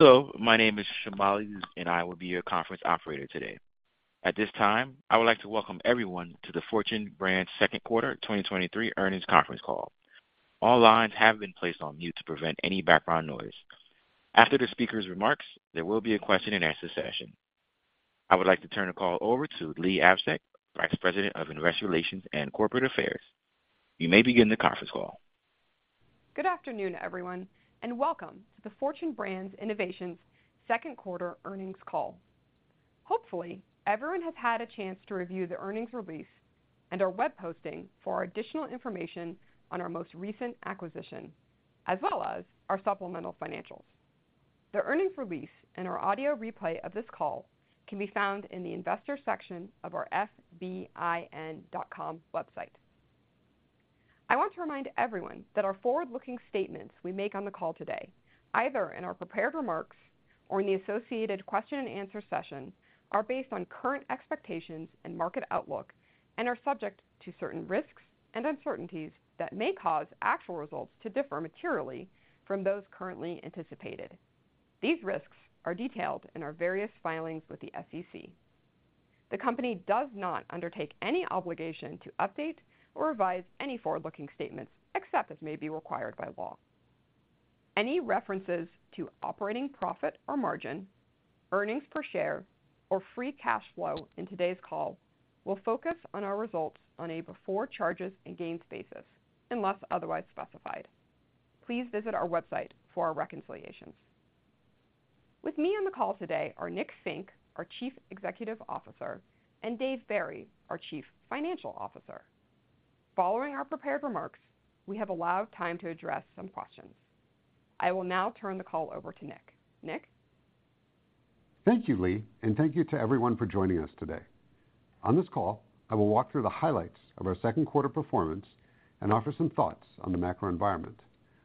Hello, my name is Shamali, and I will be your conference operator today. At this time, I would like to welcome everyone to the Fortune Brands Second Quarter 2023 Earnings Conference Call. All lines have been placed on mute to prevent any background noise. After the speaker's remarks, there will be a question-and-answer session. I would like to turn the call over to Leigh Avsec, Vice President of Investor Relations and Corporate Affairs. You may begin the conference call. Good afternoon, everyone, and welcome to the Fortune Brands Innovations second quarter earnings call. Hopefully, everyone has had a chance to review the earnings release and our web posting for additional information on our most recent acquisition, as well as our supplemental financials. The earnings release and our audio replay of this call can be found in the Investors section of our fbin.com website. I want to remind everyone that our forward-looking statements we make on the call today, either in our prepared remarks or in the associated question-and-answer session, are based on current expectations and market outlook, and are subject to certain risks and uncertainties that may cause actual results to differ materially from those currently anticipated. These risks are detailed in our various filings with the SEC. The company does not undertake any obligation to update or revise any forward-looking statements, except as may be required by law. Any references to operating profit or margin, earnings per share, or free cash flow in today's call will focus on our results on a before charges and gains basis, unless otherwise specified. Please visit our website for our reconciliations. With me on the call today are Nick Fink, our Chief Executive Officer, and Dave Barry, our Chief Financial Officer. Following our prepared remarks, we have allowed time to address some questions. I will now turn the call over to Nick. Nick? Thank you, Leigh, and thank you to everyone for joining us today. On this call, I will walk through the highlights of our second quarter performance and offer some thoughts on the macro environment.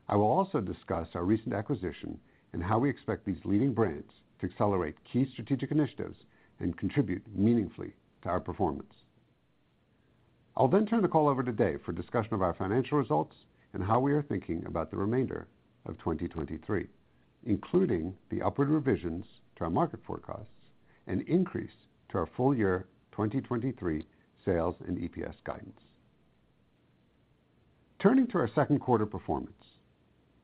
I will also discuss our recent acquisition and how we expect these leading brands to accelerate key strategic initiatives and contribute meaningfully to our performance. I'll then turn the call over to Dave for a discussion of our financial results and how we are thinking about the remainder of 2023, including the upward revisions to our market forecasts and increase to our full year 2023 sales and EPS guidance. Turning to our second quarter performance.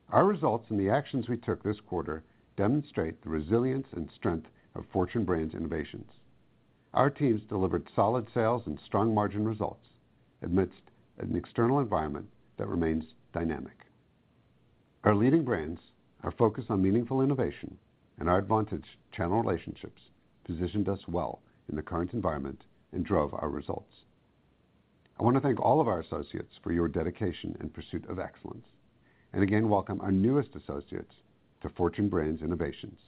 Our results and the actions we took this quarter demonstrate the resilience and strength of Fortune Brands Innovations. Our teams delivered solid sales and strong margin results amidst an external environment that remains dynamic. Our leading brands are focused on meaningful innovation, and our advantage channel relationships positioned us well in the current environment and drove our results. I want to thank all of our associates for your dedication and pursuit of excellence, and again, welcome our newest associates to Fortune Brands Innovations.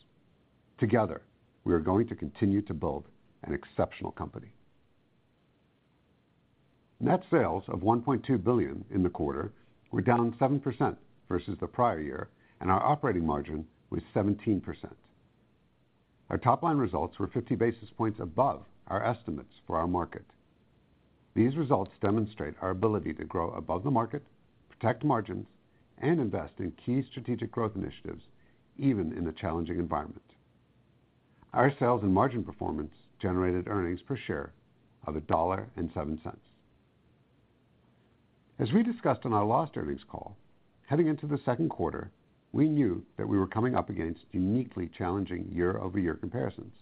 Together, we are going to continue to build an exceptional company. Net sales of $1.2 billion in the quarter were down 7% versus the prior year, and our operating margin was 17%. Our top-line results were 50 basis points above our estimates for our market. These results demonstrate our ability to grow above the market, protect margins, and invest in key strategic growth initiatives, even in a challenging environment. Our sales and margin performance generated earnings per share of $1.07. As we discussed on our last earnings call, heading into the second quarter, we knew that we were coming up against uniquely challenging year-over-year comparisons.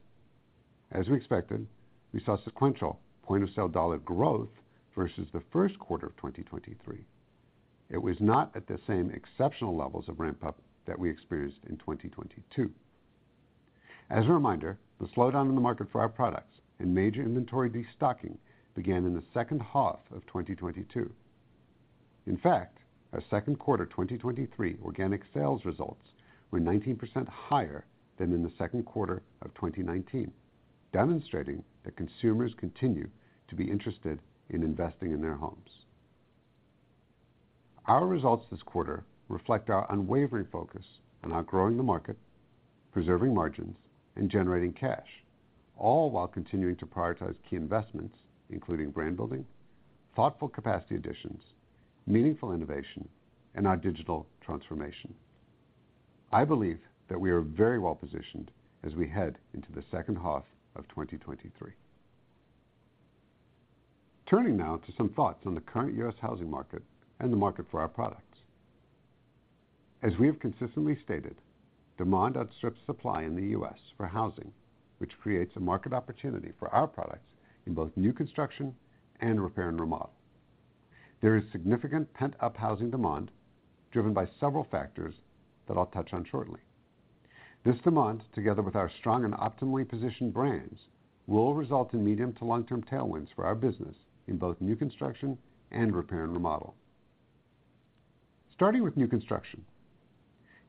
As we expected, we saw sequential point-of-sale dollar growth versus the first quarter of 2023. It was not at the same exceptional levels of ramp-up that we experienced in 2022. As a reminder, the slowdown in the market for our products and major inventory destocking began in the second half of 2022. In fact, our second quarter 2023 organic sales results were 19% higher than in the second quarter of 2019, demonstrating that consumers continue to be interested in investing in their homes. Our results this quarter reflect our unwavering focus on outgrowing the market, preserving margins, and generating cash, all while continuing to prioritize key investments, including brand building, thoughtful capacity additions, meaningful innovation, and our digital transformation. I believe that we are very well positioned as we head into the second half of 2023. Turning now to some thoughts on the current U.S. housing market and the market for our products. As we have consistently stated, demand outstrips supply in the U.S. for housing, which creates a market opportunity for our products in both new construction and repair and remodel. There is significant pent-up housing demand driven by several factors that I'll touch on shortly. This demand, together with our strong and optimally positioned brands, will result in medium to long-term tailwinds for our business in both new construction and repair and remodel. Starting with new construction.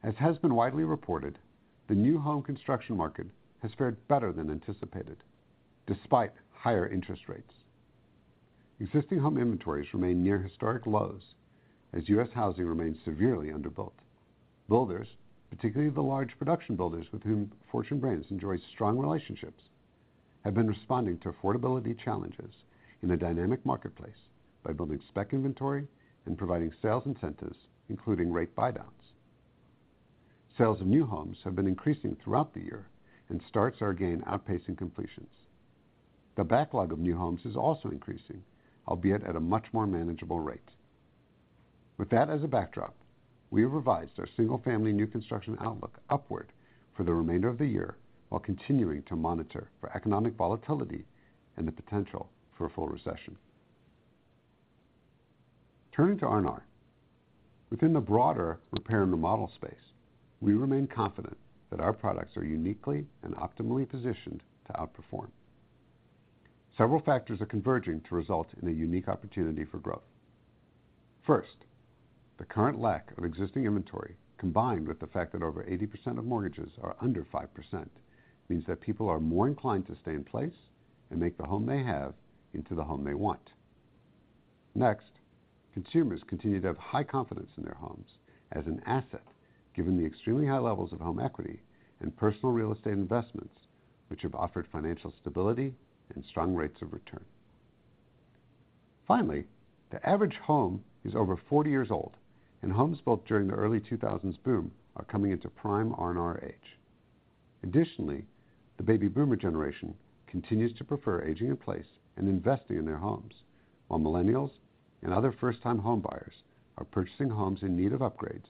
As has been widely reported, the new home construction market has fared better than anticipated, despite higher interest rates. Existing home inventories remain near historic lows as U.S. housing remains severely underbuilt. Builders, particularly the large production builders with whom Fortune Brands enjoys strong relationships. have been responding to affordability challenges in a dynamic marketplace by building spec inventory and providing sales incentives, including rate buydowns. Sales of new homes have been increasing throughout the year, and starts are again outpacing completions. The backlog of new homes is also increasing, albeit at a much more manageable rate. With that as a backdrop, we have revised our single-family new construction outlook upward for the remainder of the year, while continuing to monitor for economic volatility and the potential for a full recession. Turning to R&R. Within the broader repair and remodel space, we remain confident that our products are uniquely and optimally positioned to outperform. Several factors are converging to result in a unique opportunity for growth. First, the current lack of existing inventory, combined with the fact that over 80% of mortgages are under 5%, means that people are more inclined to stay in place and make the home they have into the home they want. Next, consumers continue to have high confidence in their homes as an asset, given the extremely high levels of home equity and personal real estate investments, which have offered financial stability and strong rates of return. Finally, the average home is over 40 years old, and homes built during the early 2000s boom are coming into prime R&R age. Additionally, the baby boomer generation continues to prefer aging in place and investing in their homes, while millennials and other first-time homebuyers are purchasing homes in need of upgrades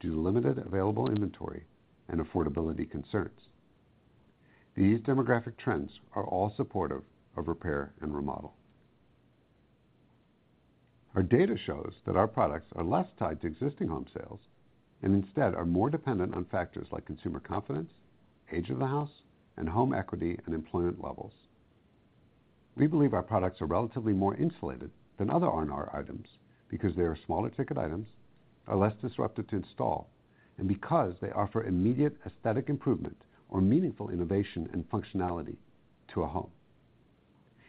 due to limited available inventory and affordability concerns. These demographic trends are all supportive of repair and remodel. Our data shows that our products are less tied to existing home sales and instead are more dependent on factors like consumer confidence, age of the house, and home equity and employment levels. We believe our products are relatively more insulated than other R&R items because they are smaller ticket items, are less disruptive to install, and because they offer immediate aesthetic improvement or meaningful innovation and functionality to a home.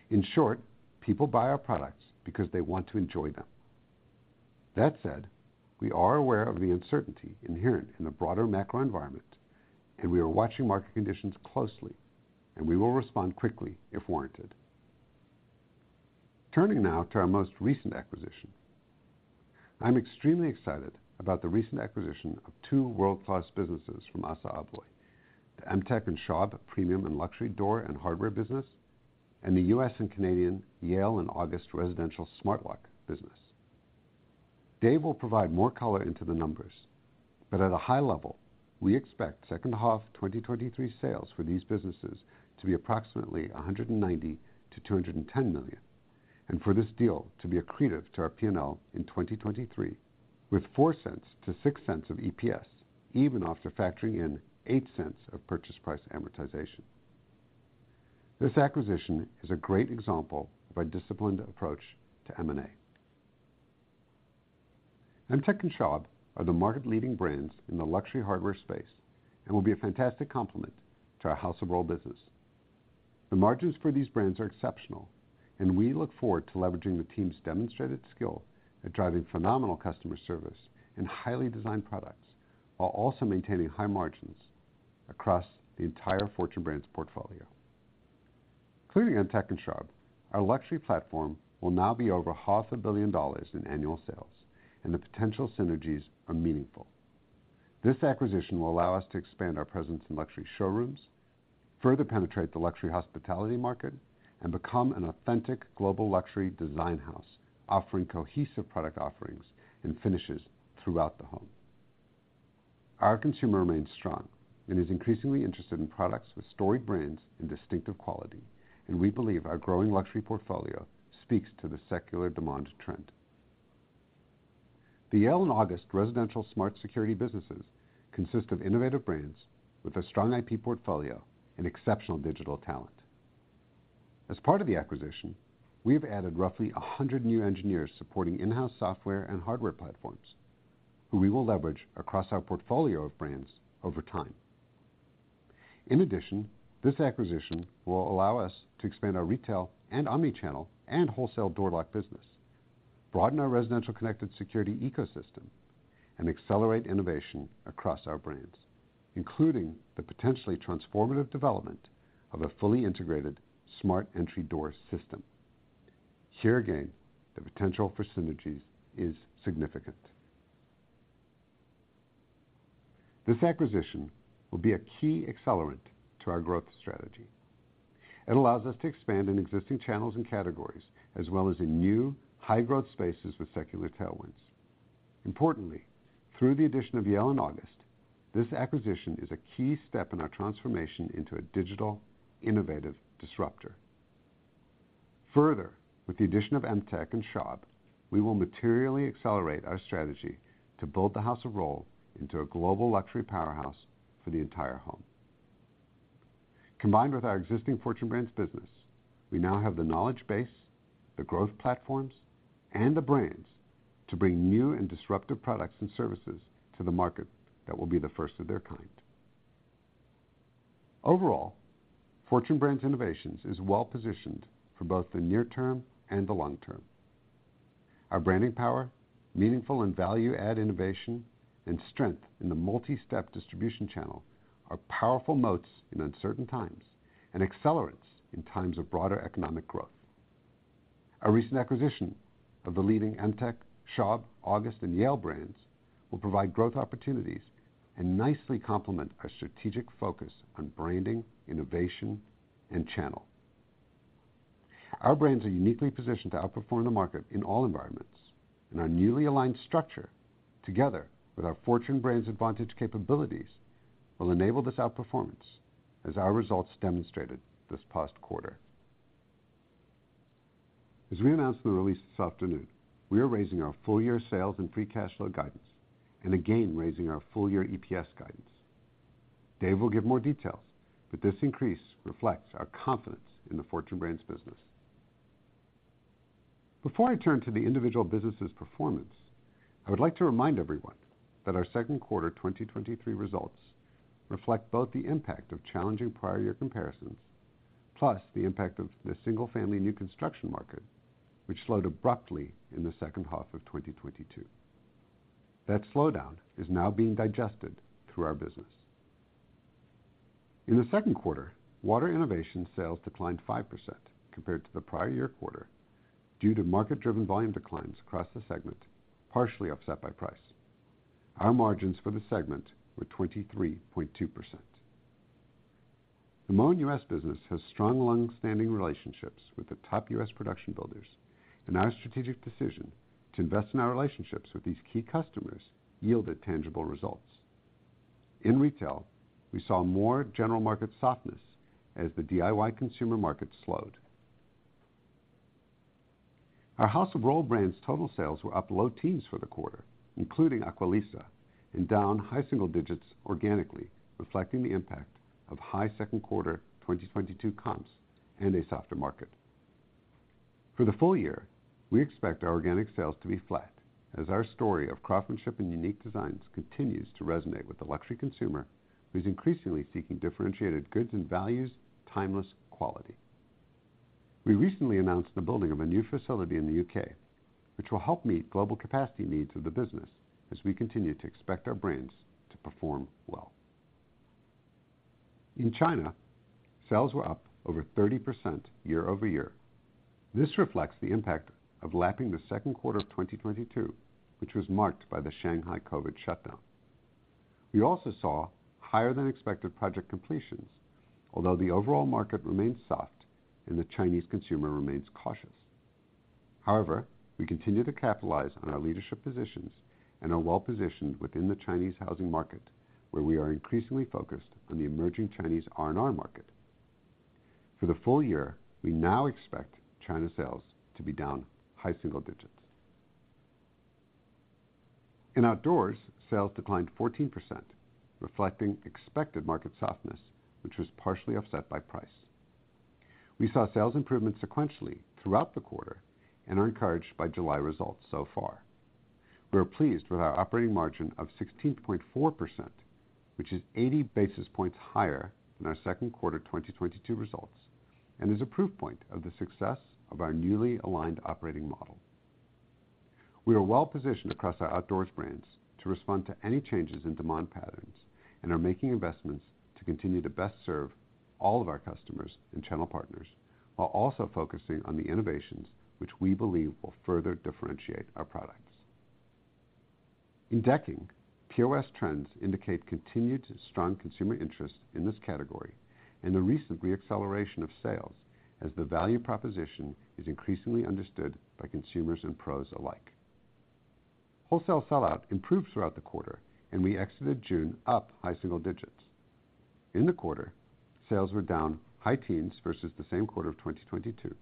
In short, people buy our products because they want to enjoy them. That said, we are aware of the uncertainty inherent in the broader macro environment, and we are watching market conditions closely, and we will respond quickly if warranted. Turning now to our most recent acquisition. I'm extremely excited about the recent acquisition of two world-class businesses from ASSA ABLOY, the Emtek and Schaub premium and luxury door and hardware business, and the U.S. and Canadian Yale and August Residential Smart Lock business. Dave will provide more color into the numbers, but at a high level, we expect second half 2023 sales for these businesses to be approximately $190 million-$210 million, and for this deal to be accretive to our P&L in 2023, with $0.04-$0.06 of EPS, even after factoring in $0.08 of purchase price amortization. This acquisition is a great example of our disciplined approach to M&A. Emtek and Schaub are the market-leading brands in the luxury hardware space and will be a fantastic complement to our House of Rohl business. The margins for these brands are exceptional, and we look forward to leveraging the team's demonstrated skill at driving phenomenal customer service and highly designed products, while also maintaining high margins across the entire Fortune Brands portfolio. Including Emtek and Schaub, our luxury platform will now be over $500 million in annual sales, and the potential synergies are meaningful. This acquisition will allow us to expand our presence in luxury showrooms, further penetrate the luxury hospitality market, and become an authentic global luxury design house, offering cohesive product offerings and finishes throughout the home. Our consumer remains strong and is increasingly interested in products with storied brands and distinctive quality, and we believe our growing luxury portfolio speaks to the secular demand trend. The Yale and August residential smart security businesses consist of innovative brands with a strong IP portfolio and exceptional digital talent. As part of the acquisition, we have added roughly 100 new engineers supporting in-house software and hardware platforms, who we will leverage across our portfolio of brands over time. This acquisition will allow us to expand our retail and omni-channel and wholesale door lock business, broaden our residential connected security ecosystem, and accelerate innovation across our brands, including the potentially transformative development of a fully integrated smart entry door system. Here, again, the potential for synergies is significant. This acquisition will be a key accelerant to our growth strategy. It allows us to expand in existing channels and categories, as well as in new, high-growth spaces with secular tailwinds. Importantly, through the addition of Yale and August, this acquisition is a key step in our transformation into a digital, innovative disruptor. With the addition of Emtek and Schaub, we will materially accelerate our strategy to build the House of Rohl into a global luxury powerhouse for the entire home. Combined with our existing Fortune Brands business, we now have the knowledge base, the growth platforms, and the brands to bring new and disruptive products and services to the market that will be the first of their kind. Fortune Brands Innovations is well positioned for both the near term and the long term. Our branding power, meaningful and value-add innovation, and strength in the multistep distribution channel are powerful moats in uncertain times and accelerants in times of broader economic growth. Our recent acquisition of the leading Emtek, Schaub, August, and Yale brands will provide growth opportunities and nicely complement our strategic focus on branding, innovation, and channel. Our brands are uniquely positioned to outperform the market in all environments, our newly aligned structure, together with our Fortune Brands Advantage capabilities, will enable this outperformance, as our results demonstrated this past quarter. As we announced in the release this afternoon, we are raising our full-year sales and free cash flow guidance, again, raising our full-year EPS guidance. Dave will give more details, this increase reflects our confidence in the Fortune Brands business. Before I turn to the individual businesses' performance, I would like to remind everyone that our second quarter 2023 results reflect both the impact of challenging prior year comparisons, plus the impact of the single-family new construction market, which slowed abruptly in the second half of 2022. That slowdown is now being digested through our business. In the second quarter, Water Innovations sales declined 5% compared to the prior year quarter due to market-driven volume declines across the segment, partially offset by price. Our margins for the segment were 23.2%. The Moen U.S. business has strong, longstanding relationships with the top U.S. production builders, and our strategic decision to invest in our relationships with these key customers yielded tangible results. In retail, we saw more general market softness as the DIY consumer market slowed. Our House of Rohl brands' total sales were up low teens for the quarter, including Aqualisa, and down high single digits organically, reflecting the impact of high second quarter 2022 comps and a softer market. For the full year, we expect our organic sales to be flat as our story of craftsmanship and unique designs continues to resonate with the luxury consumer, who is increasingly seeking differentiated goods and values, timeless quality. We recently announced the building of a new facility in the U.K., which will help meet global capacity needs of the business as we continue to expect our brands to perform well. In China, sales were up over 30% year-over-year. This reflects the impact of lapping the second quarter of 2022, which was marked by the Shanghai COVID shutdown. We also saw higher-than-expected project completions, although the overall market remains soft and the Chinese consumer remains cautious. However, we continue to capitalize on our leadership positions and are well positioned within the Chinese housing market, where we are increasingly focused on the emerging Chinese R&R market. For the full year, we now expect China sales to be down high single digits. In Outdoors, sales declined 14%, reflecting expected market softness, which was partially offset by price. We saw sales improvement sequentially throughout the quarter and are encouraged by July results so far. We are pleased with our operating margin of 16.4%, which is 80 basis points higher than our second quarter 2022 results, and is a proof point of the success of our newly aligned operating model. We are well positioned across our outdoors brands to respond to any changes in demand patterns and are making investments to continue to best serve all of our customers and channel partners, while also focusing on the innovations which we believe will further differentiate our products. In Decking, POS trends indicate continued strong consumer interest in this category and a recent re-acceleration of sales as the value proposition is increasingly understood by consumers and pros alike. Wholesale sell-out improved throughout the quarter, and we exited June up high single digits. In the quarter, sales were down high teens versus the same quarter of 2022.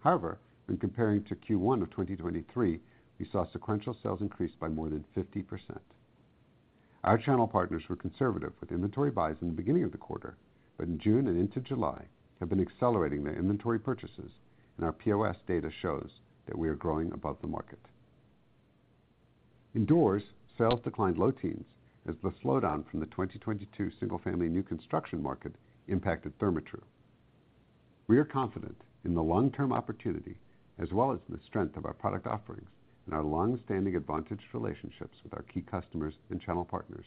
However, when comparing to Q1 of 2023, we saw sequential sales increase by more than 50%. Our channel partners were conservative with inventory buys in the beginning of the quarter, but in June and into July, have been accelerating their inventory purchases, and our POS data shows that we are growing above the market. In Doors, sales declined low teens as the slowdown from the 2022 single-family new construction market impacted Therma-Tru. We are confident in the long-term opportunity, as well as the strength of our product offerings and our long-standing Fortune Brands Advantage relationships with our key customers and channel partners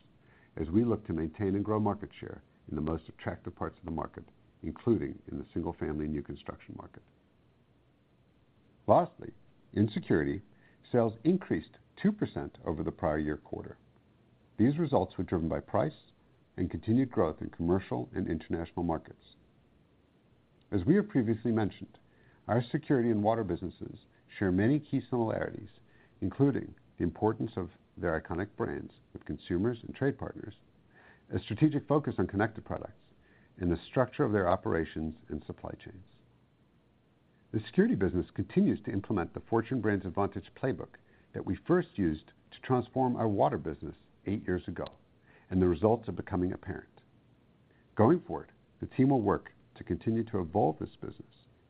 as we look to maintain and grow market share in the most attractive parts of the market, including in the single-family new construction market. Lastly, in Security, sales increased 2% over the prior year quarter. These results were driven by price and continued growth in commercial and international markets. As we have previously mentioned, our Security and water businesses share many key similarities, including the importance of their iconic brands with consumers and trade partners, a strategic focus on connected products, and the structure of their operations and supply chains. The Security business continues to implement the Fortune Brands Advantage playbook that we first used to transform our water business eight years ago, and the results are becoming apparent. Going forward, the team will work to continue to evolve this business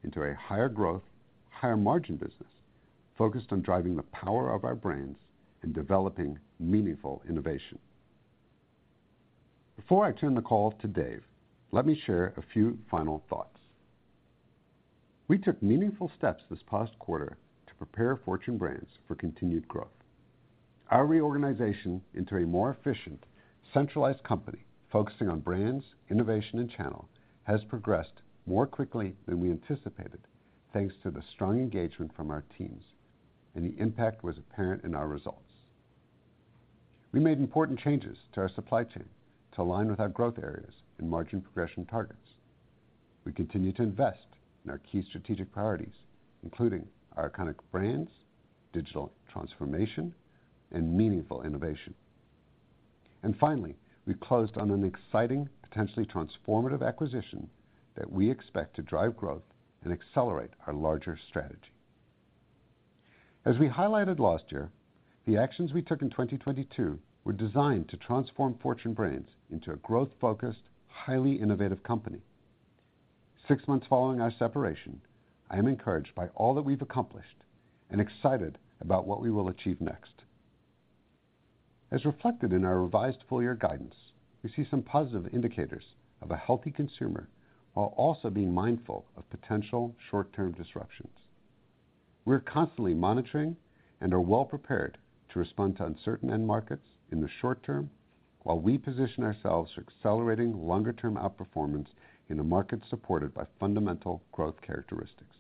into a higher growth, higher margin business, focused on driving the power of our brands and developing meaningful innovation. Before I turn the call to Dave, let me share a few final thoughts. We took meaningful steps this past quarter to prepare Fortune Brands for continued growth. Our reorganization into a more efficient, centralized company, focusing on brands, innovation, and channel, has progressed more quickly than we anticipated, thanks to the strong engagement from our teams, and the impact was apparent in our results. We made important changes to our supply chain to align with our growth areas and margin progression targets. We continue to invest in our key strategic priorities, including our iconic brands, digital transformation, and meaningful innovation. Finally, we closed on an exciting, potentially transformative acquisition that we expect to drive growth and accelerate our larger strategy. As we highlighted last year, the actions we took in 2022 were designed to transform Fortune Brands into a growth-focused, highly innovative company. Six months following our separation, I am encouraged by all that we've accomplished and excited about what we will achieve next. As reflected in our revised full year guidance, we see some positive indicators of a healthy consumer, while also being mindful of potential short-term disruptions. We're constantly monitoring and are well prepared to respond to uncertain end markets in the short term, while we position ourselves for accelerating longer-term outperformance in a market supported by fundamental growth characteristics.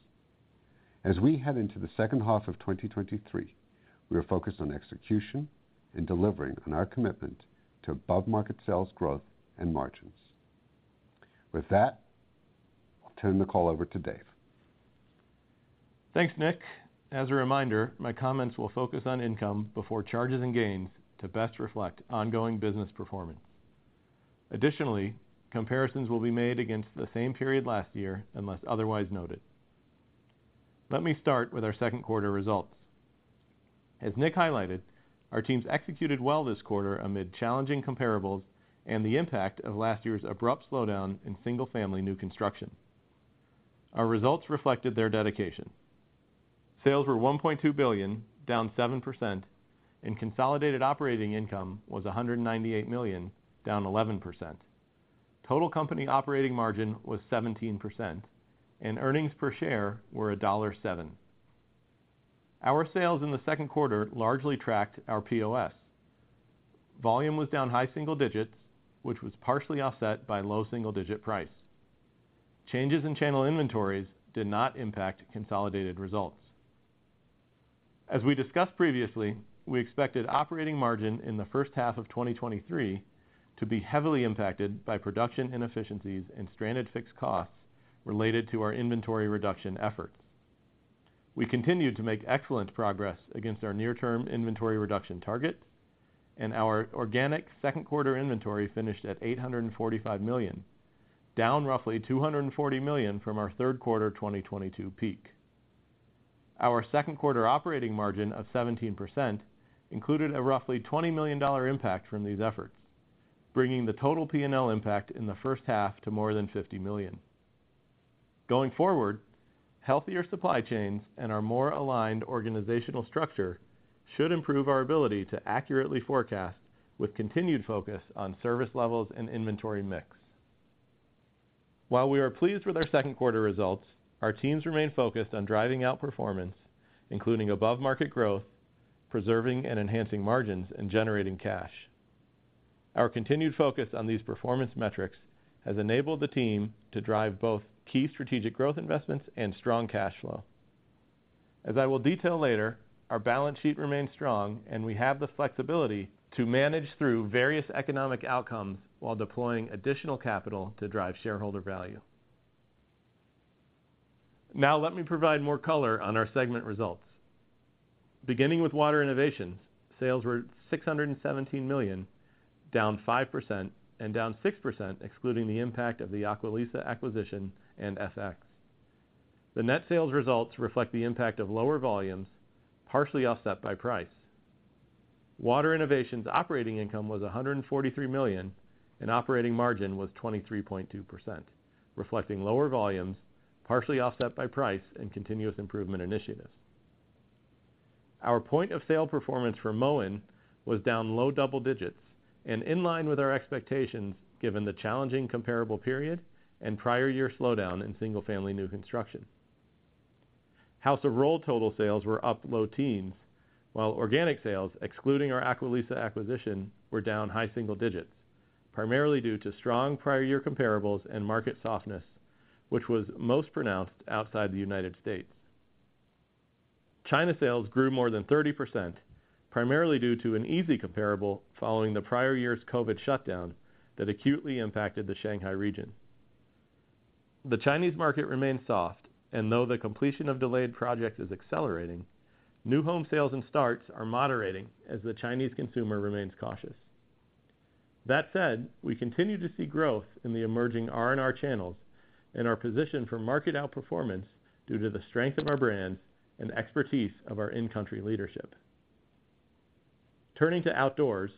As we head into the second half of 2023, we are focused on execution and delivering on our commitment to above-market sales growth and margins. With that, I'll turn the call over to Dave. Thanks, Nick. As a reminder, my comments will focus on income before charges and gains to best reflect ongoing business performance. Comparisons will be made against the same period last year, unless otherwise noted. Let me start with our second quarter results. As Nick highlighted, our teams executed well this quarter amid challenging comparables and the impact of last year's abrupt slowdown in single-family new construction. Our results reflected their dedication. Sales were $1.2 billion, down 7%, and consolidated operating income was $198 million, down 11%. Total company operating margin was 17%, and earnings per share were $1.07. Our sales in the second quarter largely tracked our POS. Volume was down high single digits, which was partially offset by low single-digit price. Changes in channel inventories did not impact consolidated results. As we discussed previously, we expected operating margin in the first half of 2023 to be heavily impacted by production inefficiencies and stranded fixed costs related to our inventory reduction efforts. We continued to make excellent progress against our near-term inventory reduction targets, and our organic second quarter inventory finished at $845 million, down roughly $240 million from our third quarter 2022 peak. Our second quarter operating margin of 17% included a roughly $20 million impact from these efforts, bringing the total PNL impact in the first half to more than $50 million. Going forward, healthier supply chains and our more aligned organizational structure should improve our ability to accurately forecast with continued focus on service levels and inventory mix. While we are pleased with our second quarter results, our teams remain focused on driving out performance, including above-market growth, preserving and enhancing margins, and generating cash. Our continued focus on these performance metrics has enabled the team to drive both key strategic growth investments and strong cash flow. As I will detail later, our balance sheet remains strong, and we have the flexibility to manage through various economic outcomes while deploying additional capital to drive shareholder value. Let me provide more color on our segment results. Beginning with Water Innovations, sales were $617 million, down 5%, and down 6%, excluding the impact of the Aqualisa acquisition and FX. The net sales results reflect the impact of lower volumes, partially offset by price. Water Innovations operating income was $143 million. Operating margin was 23.2%, reflecting lower volumes, partially offset by price and continuous improvement initiatives. Our point of sale performance for Moen was down low double digits and in line with our expectations, given the challenging comparable period and prior year slowdown in single-family new construction. House of Rohl total sales were up low teens, while organic sales, excluding our Aqualisa acquisition, were down high single digits, primarily due to strong prior year comparables and market softness, which was most pronounced outside the United States. China sales grew more than 30%, primarily due to an easy comparable following the prior year's COVID shutdown that acutely impacted the Shanghai region. The Chinese market remains soft, though the completion of delayed projects is accelerating, new home sales and starts are moderating as the Chinese consumer remains cautious. That said, we continue to see growth in the emerging R&R channels and are positioned for market outperformance due to the strength of our brands and expertise of our in-country leadership. Turning to outdoors,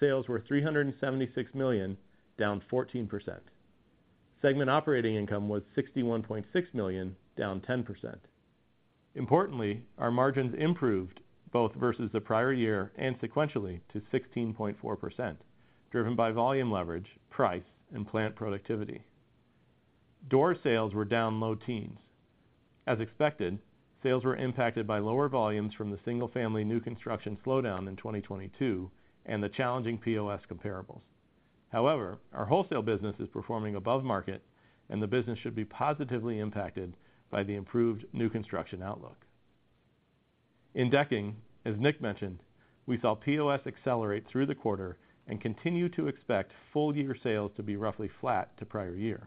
sales were $376 million, down 14%. Segment operating income was $61.6 million, down 10%. Importantly, our margins improved both versus the prior year and sequentially to 16.4%, driven by volume leverage, price, and plant productivity. Door sales were down low teens. As expected, sales were impacted by lower volumes from the single-family new construction slowdown in 2022 and the challenging POS comparables. However, our wholesale business is performing above market, and the business should be positively impacted by the improved new construction outlook. In Decking, as Nick mentioned, we saw POS accelerate through the quarter and continue to expect full year sales to be roughly flat to prior year.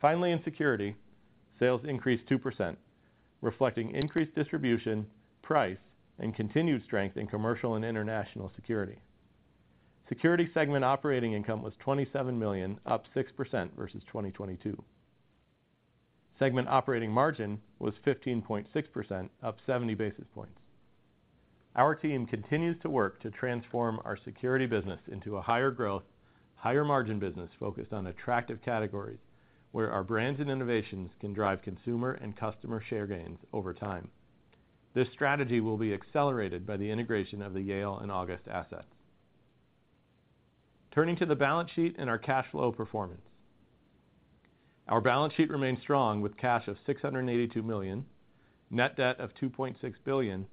Finally, in Security, sales increased 2%, reflecting increased distribution, price, and continued strength in commercial and international Security. Security segment operating income was $27 million, up 6% versus 2022. Segment operating margin was 15.6%, up 70 basis points. Our team continues to work to transform our Security business into a higher growth, higher margin business focused on attractive categories, where our brands and innovations can drive consumer and customer share gains over time. This strategy will be accelerated by the integration of the Yale and August assets. Turning to the balance sheet and our cash flow performance. Our balance sheet remains strong with cash of $682 million, net debt of $2.6 billion,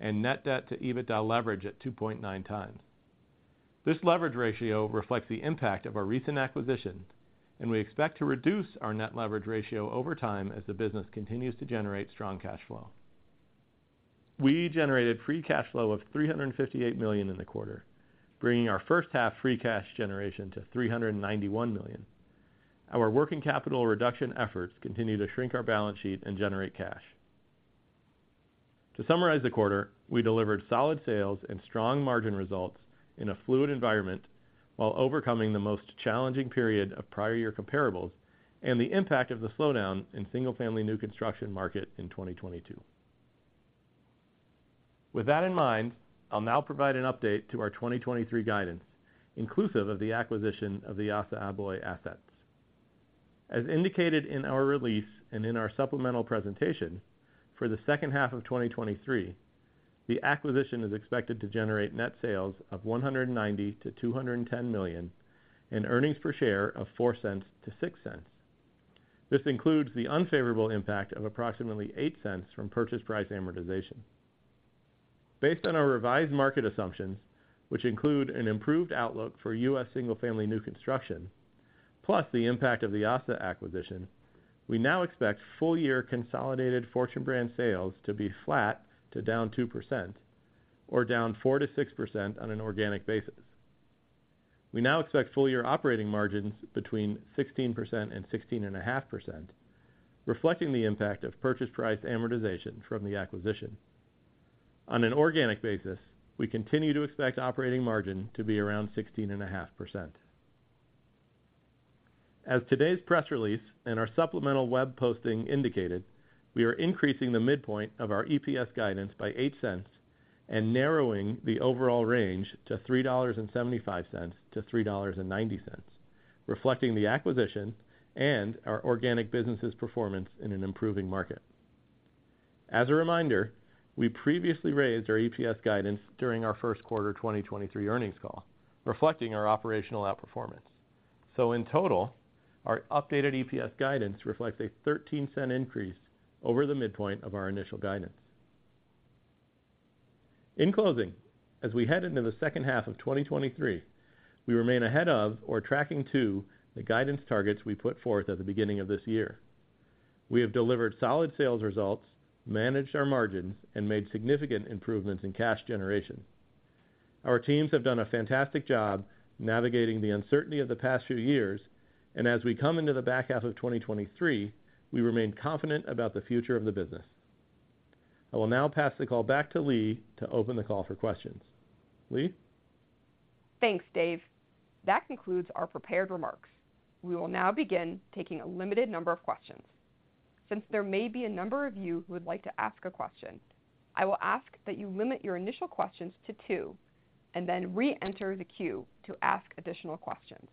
and net debt to EBITDA leverage at 2.9x. This leverage ratio reflects the impact of our recent acquisition. We expect to reduce our net leverage ratio over time as the business continues to generate strong cash flow. We generated free cash flow of $358 million in the quarter, bringing our first half free cash generation to $391 million. Our working capital reduction efforts continue to shrink our balance sheet and generate cash. To summarize the quarter, we delivered solid sales and strong margin results in a fluid environment while overcoming the most challenging period of prior year comparables and the impact of the slowdown in single-family new construction market in 2022. With that in mind, I'll now provide an update to our 2023 guidance, inclusive of the acquisition of the ASSA ABLOY assets. As indicated in our release and in our supplemental presentation, for the second half of 2023, the acquisition is expected to generate net sales of $190 million-$210 million and earnings per share of $0.04-$0.06. This includes the unfavorable impact of approximately $0.08 from purchase price amortization. Based on our revised market assumptions, which include an improved outlook for U.S. single-family new construction, plus the impact of the ASSA acquisition, we now expect full-year consolidated Fortune Brand sales to be flat to down 2% or down 4%-6% on an organic basis. We now expect full-year operating margins between 16% and 16.5%, reflecting the impact of purchase price amortization from the acquisition. On an organic basis, we continue to expect operating margin to be around 16.5%. As today's press release and our supplemental web posting indicated, we are increasing the midpoint of our EPS guidance by $0.08 and narrowing the overall range to $3.75-$3.90, reflecting the acquisition and our organic businesses' performance in an improving market. As a reminder, we previously raised our EPS guidance during our first quarter 2023 earnings call, reflecting our operational outperformance. In total, our updated EPS guidance reflects a $0.13 increase over the midpoint of our initial guidance. In closing, as we head into the second half of 2023, we remain ahead of or tracking to the guidance targets we put forth at the beginning of this year. We have delivered solid sales results, managed our margins, and made significant improvements in cash generation. Our teams have done a fantastic job navigating the uncertainty of the past few years. As we come into the back half of 2023, we remain confident about the future of the business. I will now pass the call back to Leigh to open the call for questions. Leigh? Thanks, Dave. That concludes our prepared remarks. We will now begin taking a limited number of questions. Since there may be a number of you who would like to ask a question, I will ask that you limit your initial questions to two and then reenter the queue to ask additional questions.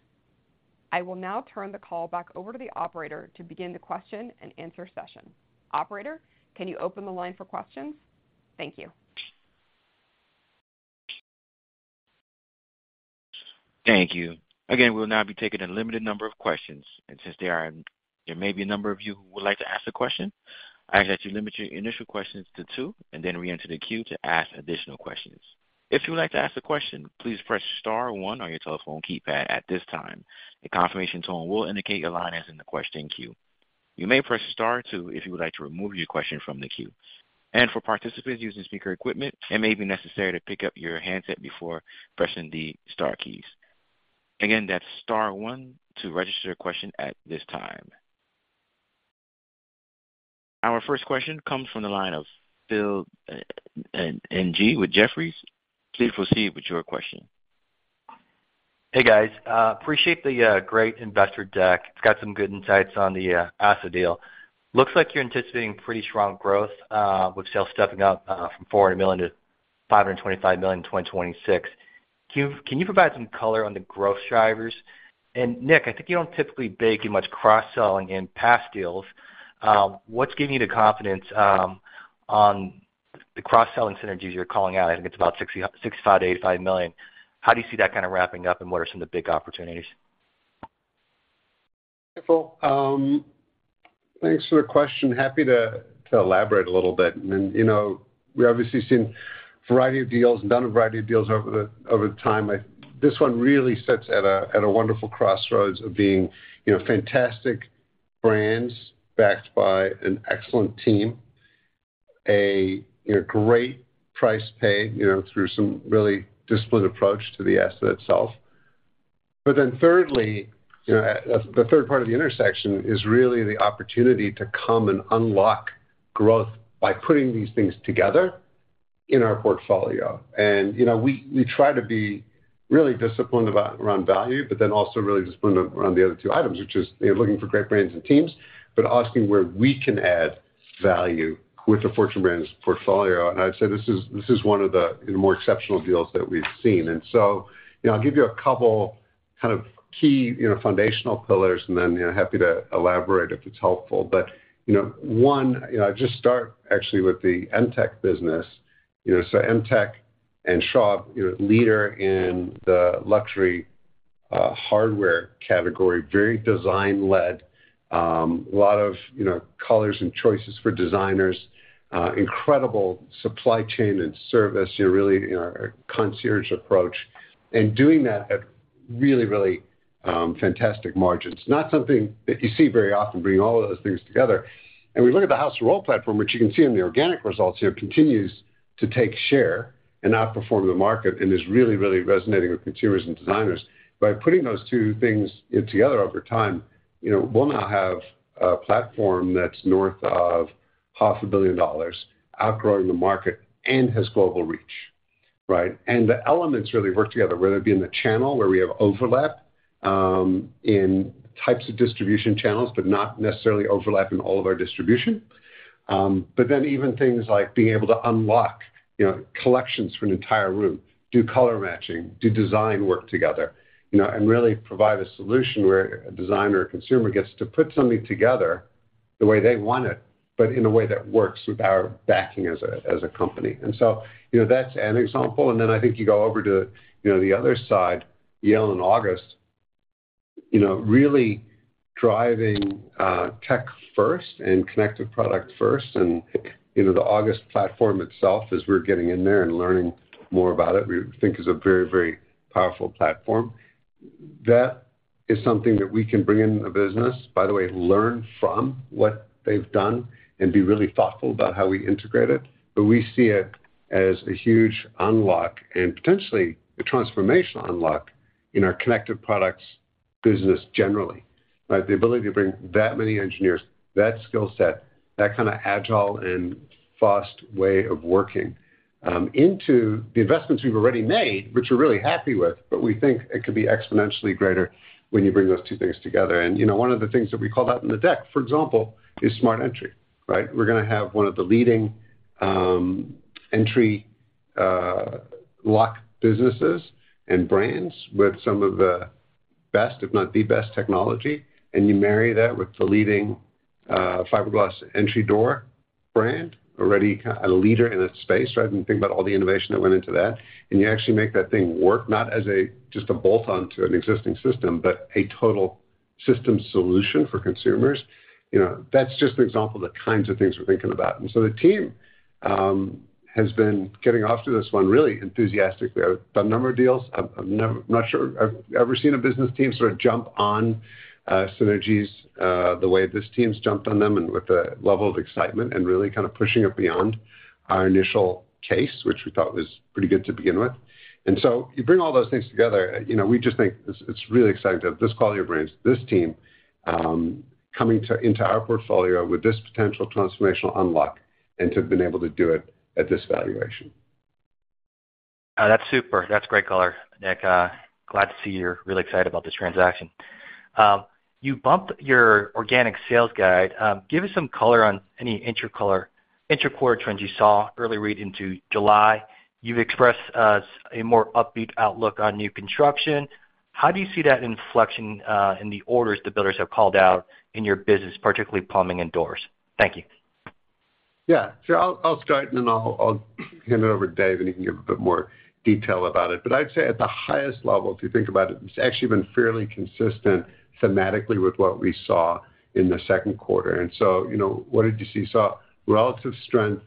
I will now turn the call back over to the Operator to begin the question and answer session. Operator, can you open the line for questions? Thank you. Thank you. Again, we'll now be taking a limited number of questions, and since there are, there may be a number of you who would like to ask a question, I ask that you limit your initial questions to two and then reenter the queue to ask additional questions. If you would like to ask a question, please press star one on your telephone keypad at this time. A confirmation tone will indicate your line is in the question queue. You may press star two if you would like to remove your question from the queue. And for participants using speaker equipment, it may be necessary to pick up your handset before pressing the star keys. Again, that's star one to register your question at this time. Our first question comes from the line of Phil NG, with Jefferies. Please proceed with your question. Hey, guys, appreciate the great investor deck. It's got some good insights on the ASSA deal. Looks like you're anticipating pretty strong growth, with sales stepping up from $400 million to $525 million in 2026. Can you, can you provide some color on the growth drivers? Nick, I think you don't typically bake in much cross-selling in past deals. What's giving you the confidence on the cross-selling synergies you're calling out? I think it's about $65 million-$85 million. How do you see that kind of wrapping up, and what are some of the big opportunities? Sure, thanks for the question. Happy to, to elaborate a little bit. You know, we've obviously seen a variety of deals and done a variety of deals over the, over the time. This one really sits at a, at a wonderful crossroads of being, you know, fantastic brands backed by an excellent team, a, you know, great price paid, you know, through some really disciplined approach to the asset itself. Thirdly, you know, the third part of the intersection is really the opportunity to come and unlock growth by putting these things together in our portfolio. You know, we, we try to be really disciplined about around value, but then also really disciplined around the other two items, which is, you know, looking for great brands and teams, but asking where we can add value with the Fortune Brands portfolio. I'd say this is, this is one of the, you know, more exceptional deals that we've seen. You know, I'll give you a couple kind of key, you know, foundational pillars, and then, you know, happy to elaborate if it's helpful. You know, one, you know, I'll just start actually with the Emtek business. You know, so Emtek and Schaub, you know, leader in the luxury, hardware category, very design-led, a lot of, you know, colors and choices for designers, incredible supply chain and service, you know, really, you know, a concierge approach, and doing that at really, really, fantastic margins. Not something that you see very often, bringing all of those things together. We look at the House of Rohl platform, which you can see in the organic results here, continues to take share and outperform the market, and is really, really resonating with consumers and designers. By putting those two things in together over time, you know, we'll now have a platform that's north of $500 million, outgrowing the market and has global reach, right? The elements really work together, whether it be in the channel, where we have overlap, in types of distribution channels, but not necessarily overlap in all of our distribution. Then even things like being able to unlock, you know, collections for an entire room, do color matching, do design work together, you know, and really provide a solution where a designer or consumer gets to put something together the way they want it, but in a way that works with our backing as a, as a company. You know, that's an example. Then I think you go over to, you know, the other side, Yale and August, you know, really driving tech first and connected product first. You know, the August platform itself, as we're getting in there and learning more about it, we think is a very, very powerful platform. That is something that we can bring into the business, by the way, learn from what they've done and be really thoughtful about how we integrate it. We see it as a huge unlock and potentially a transformational unlock in our connected products business generally, right? The ability to bring that many engineers, that skill set, that kind of agile and fast way of working, into the investments we've already made, which we're really happy with, but we think it could be exponentially greater when you bring those two things together. You know, one of the things that we call out in the deck, for example, is smart entry, right? We're gonna have one of the leading entry lock businesses and brands with some of the best, if not the best technology, and you marry that with the leading fiberglass entry door brand, already a leader in its space, right? Think about all the innovation that went into that, and you actually make that thing work, not as a just a bolt-on to an existing system, but a total system solution for consumers. You know, that's just an example of the kinds of things we're thinking about. The team has been getting off to this one really enthusiastically. I've done a number of deals. I'm not sure I've ever seen a business team sort of jump on synergies the way this team's jumped on them and with a level of excitement and really kind of pushing it beyond our initial case, which we thought was pretty good to begin with. So you bring all those things together, you know, we just think it's, it's really exciting to have this quality of brands, this team, into our portfolio with this potential transformational unlock and to have been able to do it at this valuation. That's super. That's great color, Nick. Glad to see you're really excited about this transaction. You bumped your organic sales guide. Give us some color on any interquarter trends you saw early read into July. You've expressed us a more upbeat outlook on new construction. How do you see that inflection in the orders the builders have called out in your business, particularly plumbing and doors? Thank you. Yeah, sure. I'll, I'll start, and then I'll, I'll hand it over to Dave, and he can give a bit more detail about it. I'd say at the highest level, if you think about it, it's actually been fairly consistent thematically with what we saw in the second quarter. You know, what did you see? Saw relative strength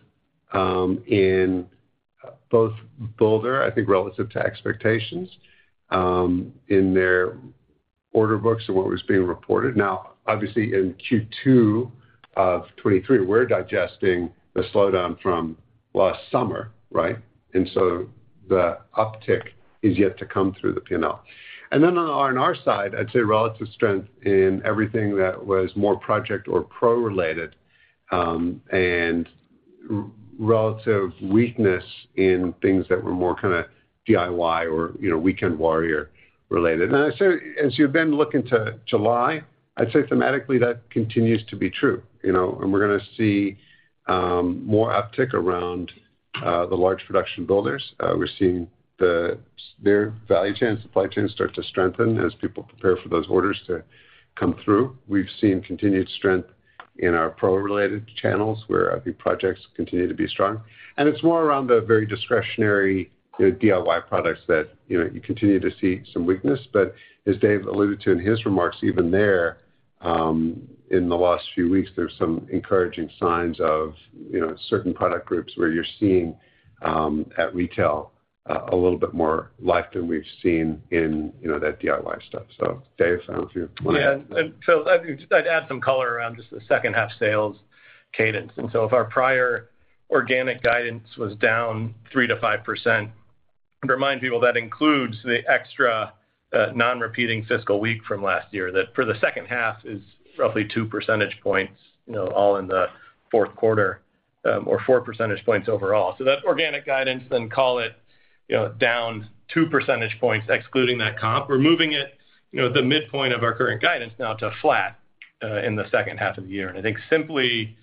in both builder, I think, relative to expectations, in their order books and what was being reported. Now, obviously in Q2 of 2023, we're digesting the slowdown from last summer, right? The uptick is yet to come through the P&L. On our side, I'd say relative strength in everything that was more project or pro-related, and re- relative weakness in things that were more kind of DIY or, you know, weekend warrior-related. I'd say, as you've been looking to July, I'd say thematically, that continues to be true, you know, and we're gonna see more uptick around the large production builders. We're seeing the, their value chain, supply chain start to strengthen as people prepare for those orders to come through. We've seen continued strength in our pro-related channels, where I think projects continue to be strong. It's more around the very discretionary, the DIY products that, you know, you continue to see some weakness. As Dave alluded to in his remarks, even there, in the last few weeks, there's some encouraging signs of, you know, certain product groups where you're seeing at retail a little bit more life than we've seen in, you know, that DIY stuff. Dave, I don't know if you want to. Yeah, I'd, I'd add some color around just the second half sales cadence. If our prior organic guidance was down 3%-5%, remind people that includes the extra non-repeating fiscal week from last year, that for the second half is roughly 2 percentage points, you know, all in the fourth quarter, or 4 percentage points overall. That organic guidance, call it, you know, down 2 percentage points, excluding that comp. We're moving it, you know, the midpoint of our current guidance now to flat in the second half of the year. I think simply,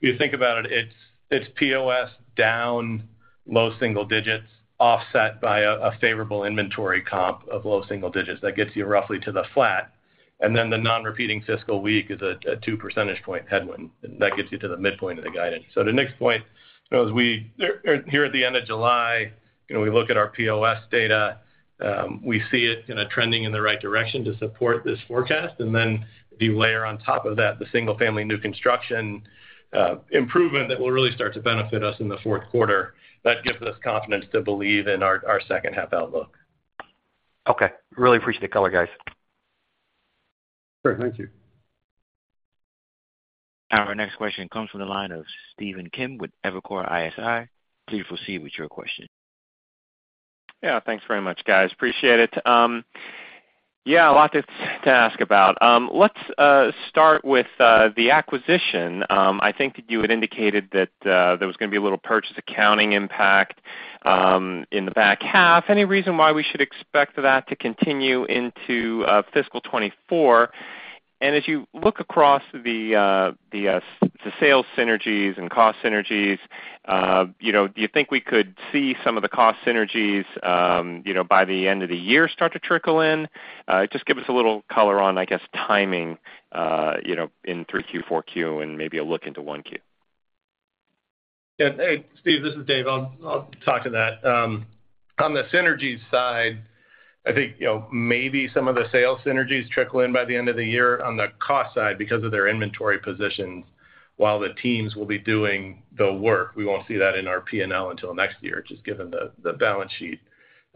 if you think about it, it's, it's POS down low single digits, offset by a, a favorable inventory comp of low single digits. That gets you roughly to the flat. The non-repeating fiscal week is a 2 percentage point headwind, and that gets you to the midpoint of the guidance. The next point, as we here at the end of July, you know, we look at our POS data, we see it, you know, trending in the right direction to support this forecast. If you layer on top of that, the single-family new construction improvement that will really start to benefit us in the fourth quarter, that gives us confidence to believe in our, our second half outlook. Okay. Really appreciate the color, guys. Great. Thank you. Our next question comes from the line of Stephen Kim with Evercore ISI. Please proceed with your question. Yeah. Thanks very much, guys. Appreciate it. Yeah, a lot to, to ask about. Let's start with the acquisition. I think that you had indicated that there was gonna be a little purchase accounting impact in the back half. Any reason why we should expect that to continue into fiscal 2024? As you look across the the the sales synergies and cost synergies, you know, do you think we could see some of the cost synergies, you know, by the end of the year, start to trickle in? Just give us a little color on, I guess, timing, you know, in 3Q, 4Q, and maybe a look into 1Q. Yeah. Hey, Stephen, this is Dave. I'll, I'll talk to that. On the synergies side, I think, you know, maybe some of the sales synergies trickle in by the end of the year on the cost side because of their inventory positions. While the teams will be doing the work, we won't see that in our PNL until next year, just given the, the balance sheet.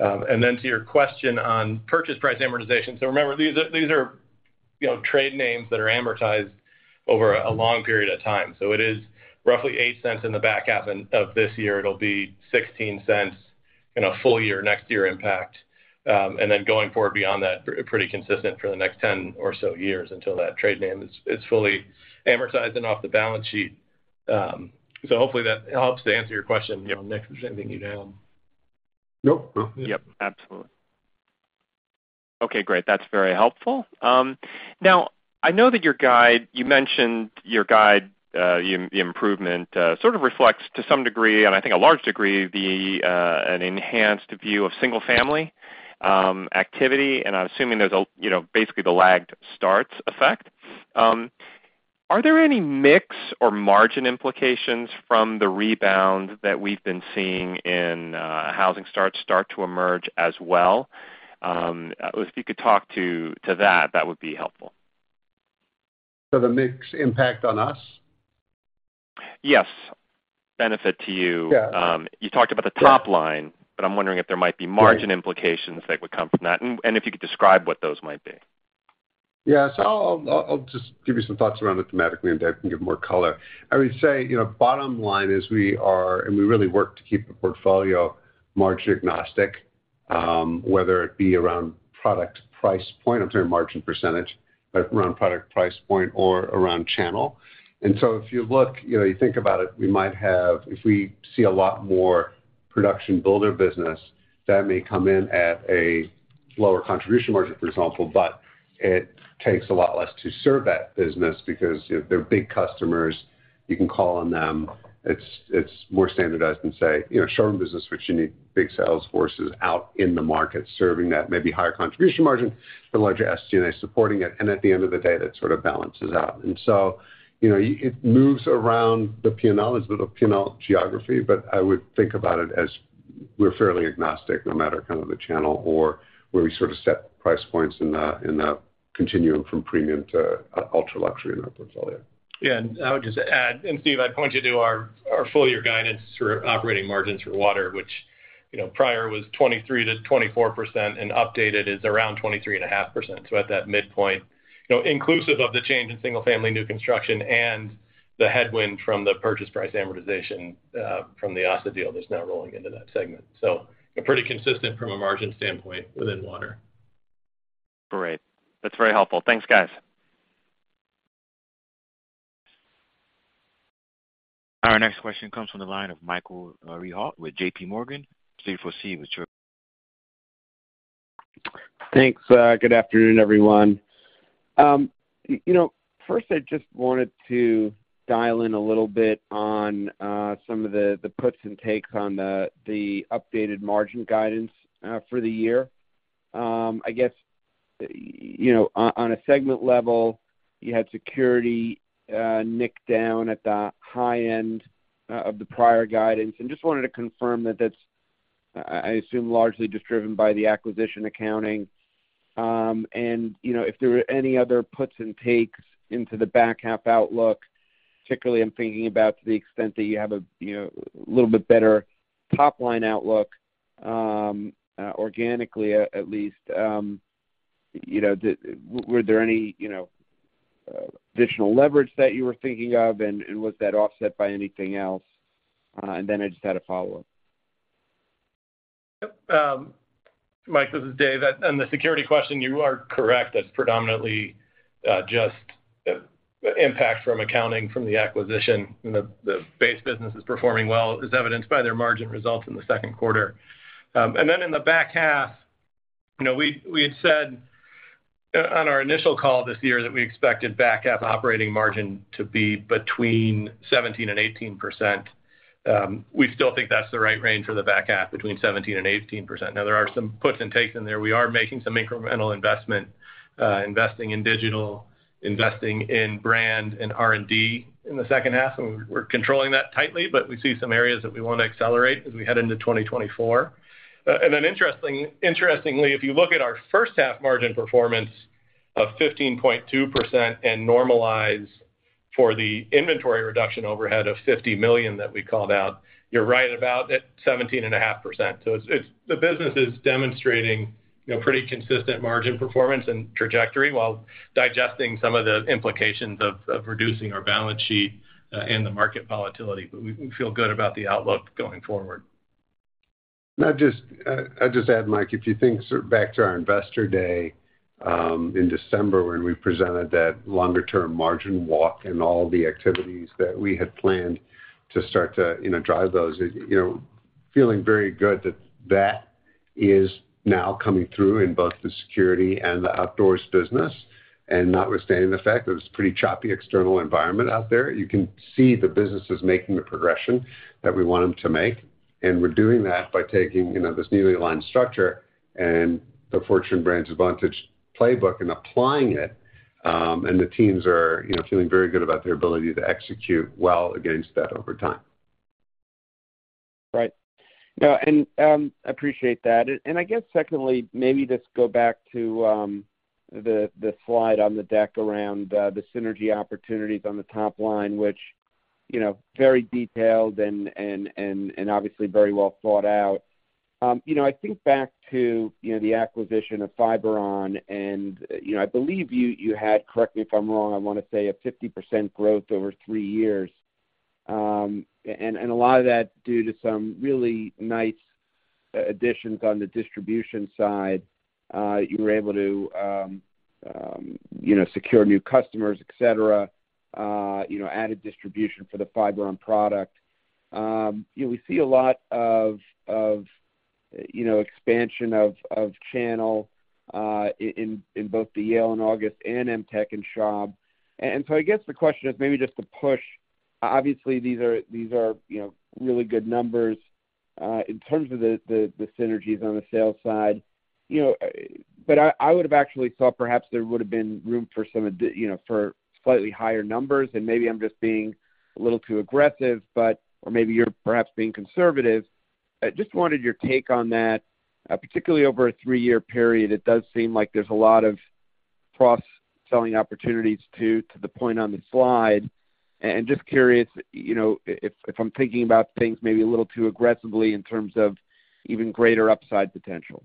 To your question on purchase price amortization, remember, these are, these are, you know, trade names that are amortized over a long period of time. It is roughly $0.08 in the back half of, of this year. It'll be $0.16 in a full year, next year impact. Going forward beyond that, pretty consistent for the next 10 or so years until that trade name is fully amortized and off the balance sheet. Hopefully that helps to answer your question. You know, Nick, anything you'd add? Nope. No. Yep, absolutely. Okay, great. That's very helpful. Now, I know that your guide, you mentioned your guide, the improvement, sort of reflects to some degree, and I think a large degree, an enhanced view of single family activity, and I'm assuming there's a, you know, basically the lagged starts effect. Are there any mix or margin implications from the rebound that we've been seeing in housing starts start to emerge as well? If you could talk to that, that would be helpful. The mix impact on us? Yes, benefit to you. Yeah. You talked about the top line. I'm wondering if there might be margin implications that would come from that, and if you could describe what those might be. Yes, I'll, I'll just give you some thoughts around it thematically, and Dave can give more color. I would say, you know, bottom line is, we are, and we really work to keep the portfolio margin agnostic, whether it be around product price point or margin percentage, but around product price point or around channel. If you look, you know, you think about it, we might have... If we see a lot more production builder business, that may come in at a lower contribution margin, for example, but it takes a lot less to serve that business because, you know, they're big customers. You can call on them. It's, it's more standardized than, say, you know, showroom business, which you need big sales forces out in the market serving that maybe higher contribution margin, the larger SG&A supporting it, at the end of the day, that sort of balances out. You know, it, it moves around the P&L. There's a little P&L geography, but I would think about it as we're fairly agnostic, no matter kind of the channel or where we sort of set price points in that, in that continuum from premium to ultra-luxury in our portfolio. Yeah, I would just add, Stephen, I'd point you to our, our full year guidance for operating margins for water, which, you know, prior was 23%-24%, and updated is around 23.5%. At that midpoint, you know, inclusive of the change in single-family new construction and the headwind from the purchase price amortization from the ASSA ABLOY deal that's now rolling into that segment. Pretty consistent from a margin standpoint within water. Great. That's very helpful. Thanks, guys. Our next question comes from the line of Michael Rehaut with J.P. Morgan. Please proceed with your- Thanks. Good afternoon, everyone. You know, first, I just wanted to dial in a little bit on some of the, the puts and takes on the, the updated margin guidance for the year. I guess, you know, on a segment level, you had Security nicked down at the high end of the prior guidance, and just wanted to confirm that that's, I assume, largely just driven by the acquisition accounting. And, you know, if there were any other puts and takes into the back half outlook, particularly I'm thinking about to the extent that you have a, you know, a little bit better top-line outlook organically at least. You know, were there any, you know, additional leverage that you were thinking of, and was that offset by anything else? Then I just had a follow-up. Yep. Mic, this is Dave. On, on the security question, you are correct. That's predominantly just impact from accounting from the acquisition, and the, the base business is performing well, as evidenced by their margin results in the second quarter. Then in the back half, you know, we, we had said on our initial call this year that we expected back half operating margin to be between 17%-18%. We still think that's the right range for the back half, between 17%-18%. Now, there are some puts and takes in there. We are making some incremental investment, investing in digital, investing in brand and R&D in the second half, and we're controlling that tightly, but we see some areas that we want to accelerate as we head into 2024. Interestingly, if you look at our first half margin performance of 15.2% and normalize for the inventory reduction overhead of $50 million that we called out, you're right about at 17.5%. It's, the business is demonstrating, you know, pretty consistent margin performance and trajectory while digesting some of the implications of reducing our balance sheet in the market volatility. We, we feel good about the outlook going forward. I'll just, I'll just add, Mic, if you think sort of back to our investor day in December, when we presented that longer-term margin walk and all the activities that we had planned to start to, you know, drive those, you know, feeling very good that that is now coming through in both the security and the outdoors business, and notwithstanding the fact that it's pretty choppy external environment out there. You can see the business is making the progression that we want them to make, and we're doing that by taking, you know, this newly aligned structure and the Fortune Brands Advantage playbook and applying it. The teams are, you know, feeling very good about their ability to execute well against that over time. Right. No, appreciate that. I guess secondly, maybe just go back to the slide on the deck around the synergy opportunities on the top line, which, you know, very detailed and obviously very well thought out. You know, I think back to, you know, the acquisition of Fiberon and, you know, I believe you, you had, correct me if I'm wrong, I want to say a 50% growth over three years. A lot of that due to some really nice additions on the distribution side, you were able to, you know, secure new customers, et cetera, you know, added distribution for the Fiberon product. You know, we see a lot of, of, you know, expansion of, of channel in, in both the Yale and August and Emtek and Schaub. And so I guess the question is maybe just to push. Obviously, these are, these are, you know, really good numbers, in terms of the, the, the synergies on the sales side. You know, but I, I would have actually thought perhaps there would have been room for some, you know, for slightly higher numbers, and maybe I'm just being a little too aggressive, but. Or maybe you're perhaps being conservative. I just wanted your take on that, particularly over a three-year period. It does seem like there's a lot of cross-selling opportunities to, to the point on the slide. Just curious, you know, if, if I'm thinking about things maybe a little too aggressively in terms of even greater upside potential.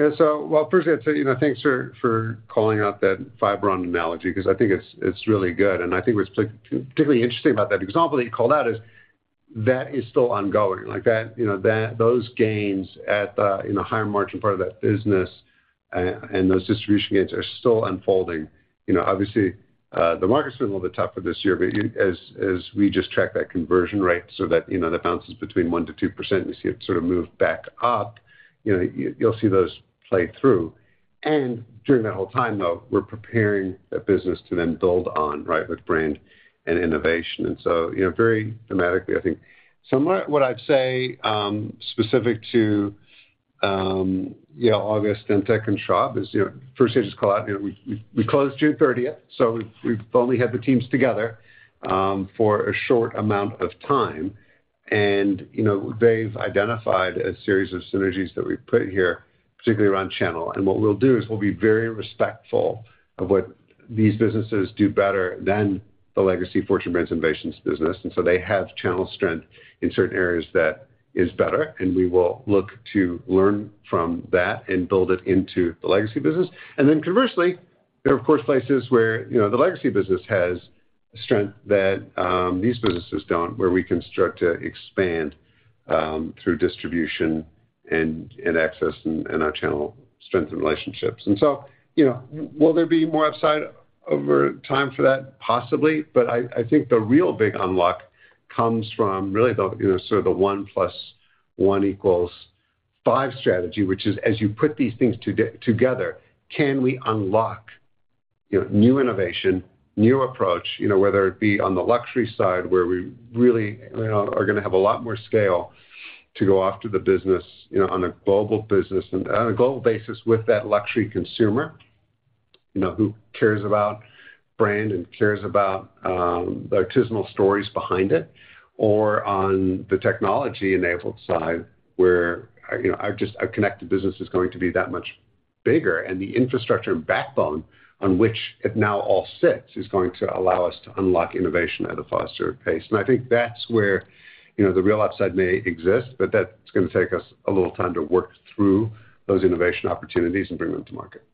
Yeah. Well, first, I'd say, you know, thanks for, for calling out that Fiberon analogy, 'cause I think it's, it's really good, and I think what's particularly interesting about that example that you called out is that is still ongoing. Like, that, you know, those gains at the, in the higher margin part of that business, and those distribution gains are still unfolding. You know, obviously, the market's been a little bit tougher this year, as, as we just track that conversion rate so that, you know, that bounces between 1%-2%, we see it sort of move back up, you know, you'll see those play through. During that whole time, though, we're preparing the business to then build on, right, with brand and innovation. You know, very dramatically, I think. What, what I'd say, specific to Yale, August, Emtek, and Schaub is, you know, first, I just call out, you know, we, we, we closed June 30th, so we've, we've only had the teams together for a short amount of time. They've identified a series of synergies that we've put here, particularly around channel. What we'll do is we'll be very respectful of what these businesses do better than the legacy Fortune Brands Innovations business. They have channel strength in certain areas that is better, and we will look to learn from that and build it into the legacy business. Conversely, there are, of course, places where, you know, the legacy business has strength that these businesses don't, where we can start to expand through distribution and access and our channel strength and relationships. You know, will there be more upside over time for that? Possibly. I, I think the real big unlock comes from really the, you know, sort of the one plus one equals five strategy, which is, as you put these things together, can we unlock, you know, new innovation, new approach, you know, whether it be on the luxury side, where we really, you know, are gonna have a lot more scale to go after the business, you know, on a global business and on a global basis with that luxury consumer, you know, who cares about brand and cares about the artisanal stories behind it, or on the technology-enabled side, where, you know, our just our connected business is going to be that much bigger. The infrastructure and backbone on which it now all sits, is going to allow us to unlock innovation at a faster pace. I think that's where, you know, the real upside may exist, but that's gonna take us a little time to work through those innovation opportunities and bring them to market.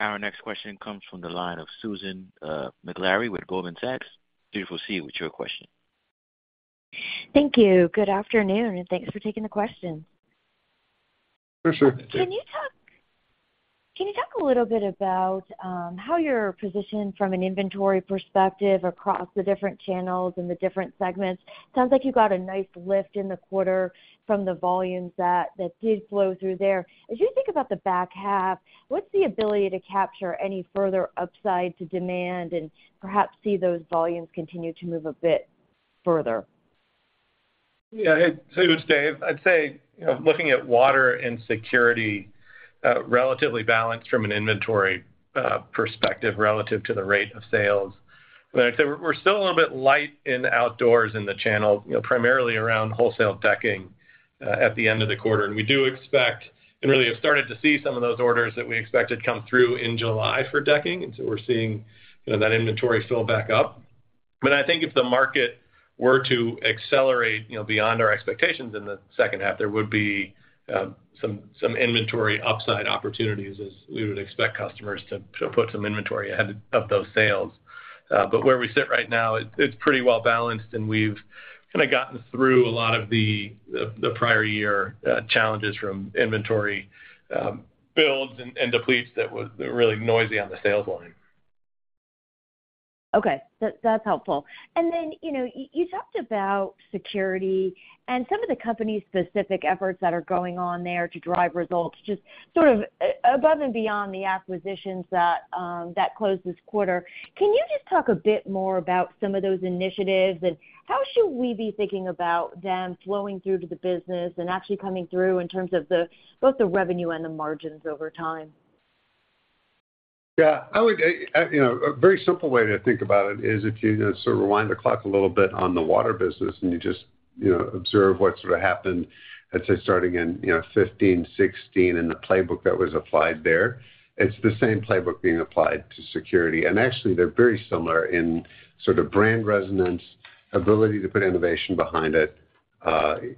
Our next question comes from the line of Susan Maklari, with Goldman Sachs. Please proceed with your question. Thank you. Good afternoon, and thanks for taking the question. For sure. Can you talk a little bit about how your position from an inventory perspective across the different channels and the different segments? Sounds like you got a nice lift in the quarter from the volumes that did flow through there. As you think about the back half, what's the ability to capture any further upside to demand and perhaps see those volumes continue to move a bit further? Yeah, it's Dave. I'd say, you know, looking at water and security, relatively balanced from an inventory perspective relative to the rate of sales. I'd say we're still a little bit light in outdoors in the channel, you know, primarily around wholesale decking at the end of the quarter. We do expect, and really have started to see some of those orders that we expected come through in July for decking, and so we're seeing, you know, that inventory fill back up. I think if the market were to accelerate, you know, beyond our expectations in the second half, there would be some inventory upside opportunities as we would expect customers to put some inventory ahead of those sales. Where we sit right now, it's, it's pretty well balanced, and we've kinda gotten through a lot of the, the, the prior year, challenges from inventory, builds and, and depletes that were really noisy on the sales line. Okay. That's helpful. Then, you know, you talked about security and some of the company's specific efforts that are going on there to drive results, just sort of above and beyond the acquisitions that closed this quarter. Can you just talk a bit more about some of those initiatives, and how should we be thinking about them flowing through to the business and actually coming through in terms of the, both the revenue and the margins over time? Yeah, I would, you know, a very simple way to think about it is if you just sort of rewind the clock a little bit on the water business, and you just, you know, observe what sort of happened, let's say, starting in, you know, 2015, 2016, and the playbook that was applied there. It's the same playbook being applied to security. Actually, they're very similar in sort of brand resonance, ability to put innovation behind it,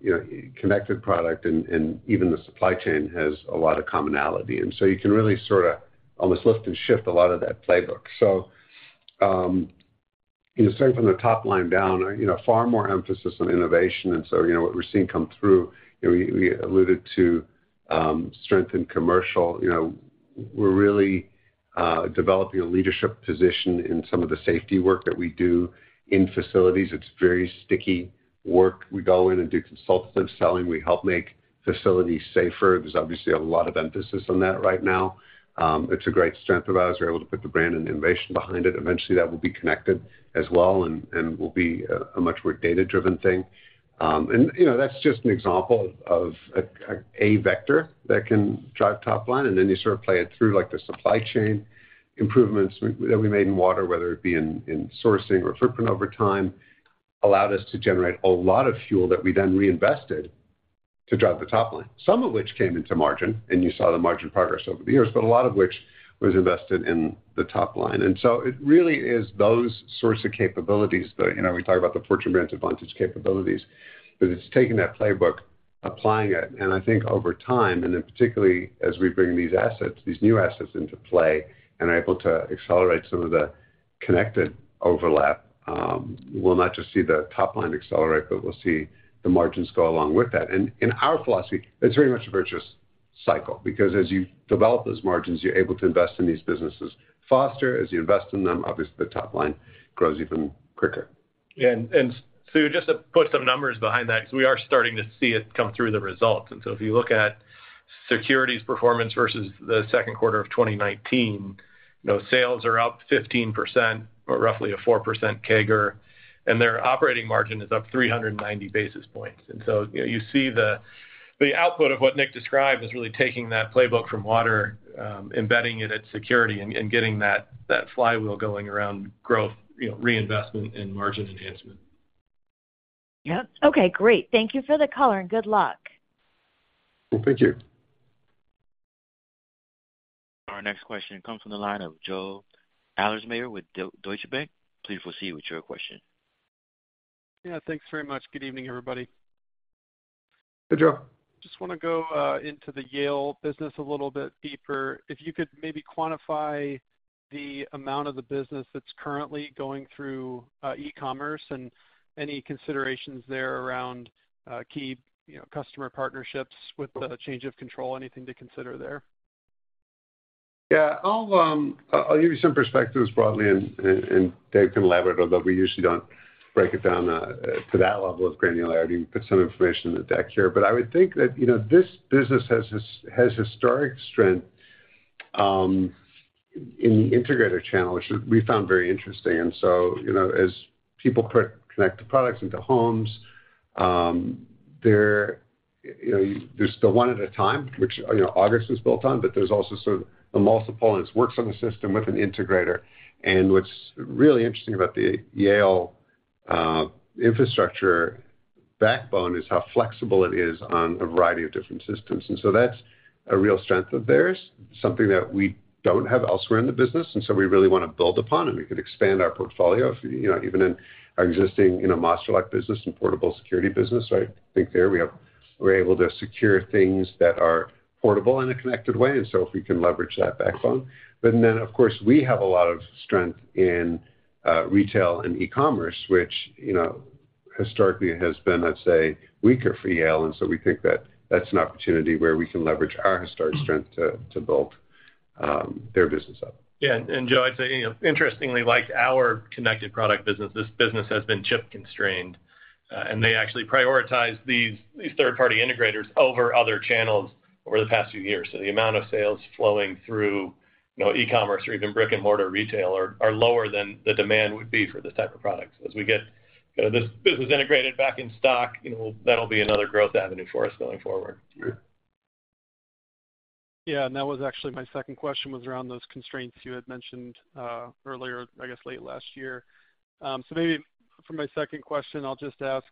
you know, connected product, and, and even the supply chain has a lot of commonality. You can really sort of almost lift and shift a lot of that playbook. Starting, you know, from the top line down, you know, far more emphasis on innovation. What, you know, we're seeing come through, you know, we, we alluded to, strength in commercial. You know, we're really developing a leadership position in some of the safety work that we do in facilities. It's very sticky work. We go in and do consultative selling. We help make facilities safer. There's obviously a lot of emphasis on that right now. It's a great strength of ours. We're able to put the brand and innovation behind it. Eventually, that will be connected as well and, and will be a much more data-driven thing. You know, that's just an example of, of a, a vector that can drive top line, and then you sort of play it through, like the supply chain improvements that we made in water, whether it be in, in sourcing or footprint over time, allowed us to generate a lot of fuel that we then reinvested to drive the top line, some of which came into margin, and you saw the margin progress over the years, but a lot of which was invested in the top line. So it really is those sorts of capabilities that, you know, we talk about the Fortune Brands Advantage capabilities, but it's taking that playbook, applying it, and I think over time, and then particularly as we bring these assets, these new assets into play, and are able to accelerate some of the connected overlap, we'll not just see the top line accelerate, but we'll see the margins go along with that. In our philosophy, it's very much a virtuous cycle because as you develop those margins, you're able to invest in these businesses faster. As you invest in them, obviously, the top line grows even quicker. Sue, just to put some numbers behind that, because we are starting to see it come through the results. If you look at Security's performance versus the second quarter of 2019, you know, sales are up 15% or roughly a 4% CAGR, and their operating margin is up 390 basis points. You see the, the output of what Nick described is really taking that playbook from Water, embedding it at Security and, and getting that, that flywheel going around growth, you know, reinvestment and margin enhancement. Yep. Okay, great. Thank you for the color, and good luck. Well, thank you. Our next question comes from the line of Joe Ahlersmeyer with Deutsche Bank. Please proceed with your question. Yeah, thanks very much. Good evening, everybody. Hey, Joe. Just wanna go into the Yale business a little bit deeper. If you could maybe quantify the amount of the business that's currently going through e-commerce and any considerations there around key, you know, customer partnerships with the change of control? Anything to consider there? Yeah, I'll give you some perspectives broadly, and Dave can elaborate, although we usually don't break it down to that level of granularity. We put some information in the deck here. I would think that, you know, this business has historic strength in the integrator channel, which we found very interesting. You know, as people connect the products into homes, there, you know, there's the one at a time, which, you know, August is built on, but there's also sort of a multiple, and it works on the system with an integrator. What's really interesting about the Yale infrastructure backbone is how flexible it is on a variety of different systems. That's a real strength of theirs, something that we don't have elsewhere in the business, and so we really wanna build upon them. We could expand our portfolio, you know, even in our existing, you know, Master Lock business and portable security business, right? I think there we have we're able to secure things that are portable in a connected way, and so if we can leverage that backbone. Then, of course, we have a lot of strength in retail and e-commerce, which, you know, historically has been, let's say, weaker for Yale, and so we think that that's an opportunity where we can leverage our historic strength to, to build their business up. Yeah, Joe, I'd say, you know, interestingly, like our connected product business, this business has been chip constrained, and they actually prioritize these, these third-party integrators over other channels over the past few years. The amount of sales flowing through, you know, e-commerce or even brick-and-mortar retail are, are lower than the demand would be for this type of products. As we get, you know, this business integrated back in stock, you know, that'll be another growth avenue for us going forward. Sure. Yeah, that was actually my second question, was around those constraints you had mentioned, earlier, I guess, late last year. Maybe for my second question, I'll just ask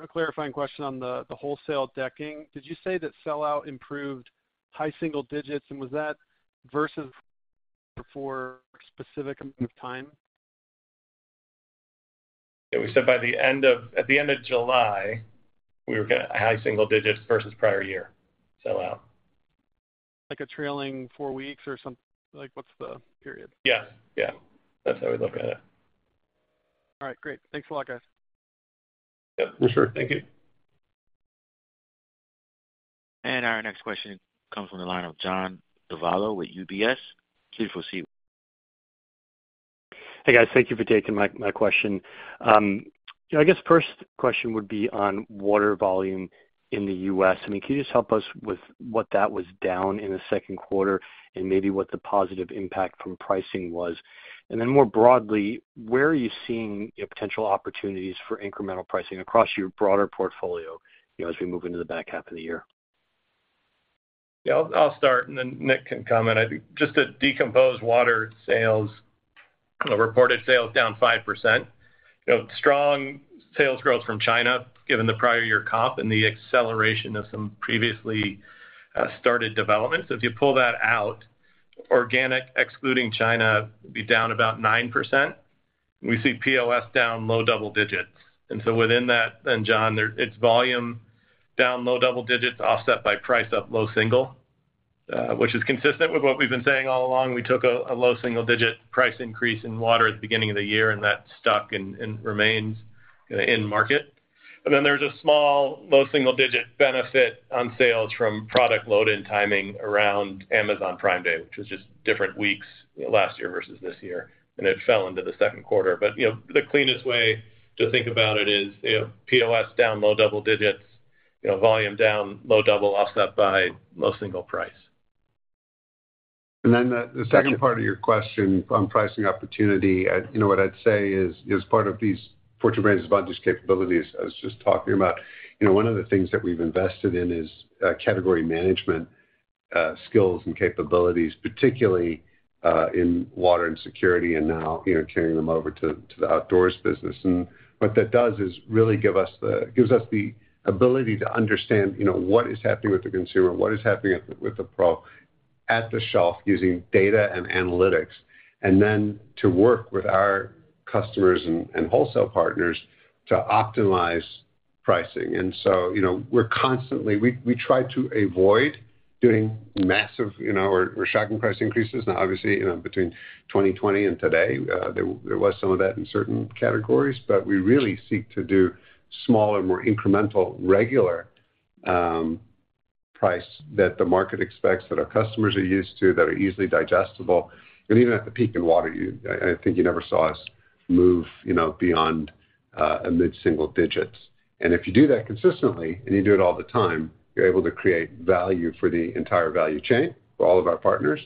a clarifying question on the, the wholesale decking. Did you say that sellout improved high single digits, and was that versus for a specific amount of time? Yeah, we said at the end of July, we were gonna high single digits versus prior year sell out. Like a trailing four weeks or like, what's the period? Yes. Yeah, that's how we look at it. All right, great. Thanks a lot, guys. Yep, For sure. Thank you. Our next question comes from the line of John Lovallo with UBS. Please proceed. Hey, guys. Thank you for taking my, my question. I guess first question would be on water volume in the U.S.. I mean, can you just help us with what that was down in the second quarter and maybe what the positive impact from pricing was? Then more broadly, where are you seeing potential opportunities for incremental pricing across your broader portfolio, you know, as we move into the back half of the year? Yeah, I'll, I'll start, and then Nick can comment. I think just to decompose water sales, reported sales down 5%. You know, strong sales growth from China, given the prior year comp and the acceleration of some previously started developments. If you pull that out, organic, excluding China, would be down about 9%. We see POS down low double digits. Within that then, John, it's volume down low double digits, offset by price up low single, which is consistent with what we've been saying all along. We took a low single-digit price increase in water at the beginning of the year, and that stuck and remains in market. Then there's a small, low single-digit benefit on sales from product load-in timing around Amazon Prime Day, which was just different weeks last year versus this year, and it fell into the second quarter. You know, the cleanest way to think about it is, you know, POS down low double digits, you know, volume down low double, offset by low single price. The second part of your question on pricing opportunity, you know, what I'd say is, as part of these Fortune Brands Advantage capabilities I was just talking about, you know, one of the things that we've invested in is category management skills and capabilities, particularly in water and security, and now, you know, carrying them over to the outdoors business. What that does is really gives us the ability to understand, you know, what is happening with the consumer, what is happening at the, with the pro, at the shelf, using data and analytics, and then to work with our customers and wholesale partners to optimize pricing. You know, we try to avoid doing massive, you know, or shocking price increases. Now, obviously, you know, between 2020 and today, there, there was some of that in certain categories, but we really seek to do smaller, more incremental, regular, price that the market expects, that our customers are used to, that are easily digestible. Even at the peak in water, you, I, I think you never saw us move, you know, beyond a mid-single digits. If you do that consistently, and you do it all the time, you're able to create value for the entire value chain, for all of our partners,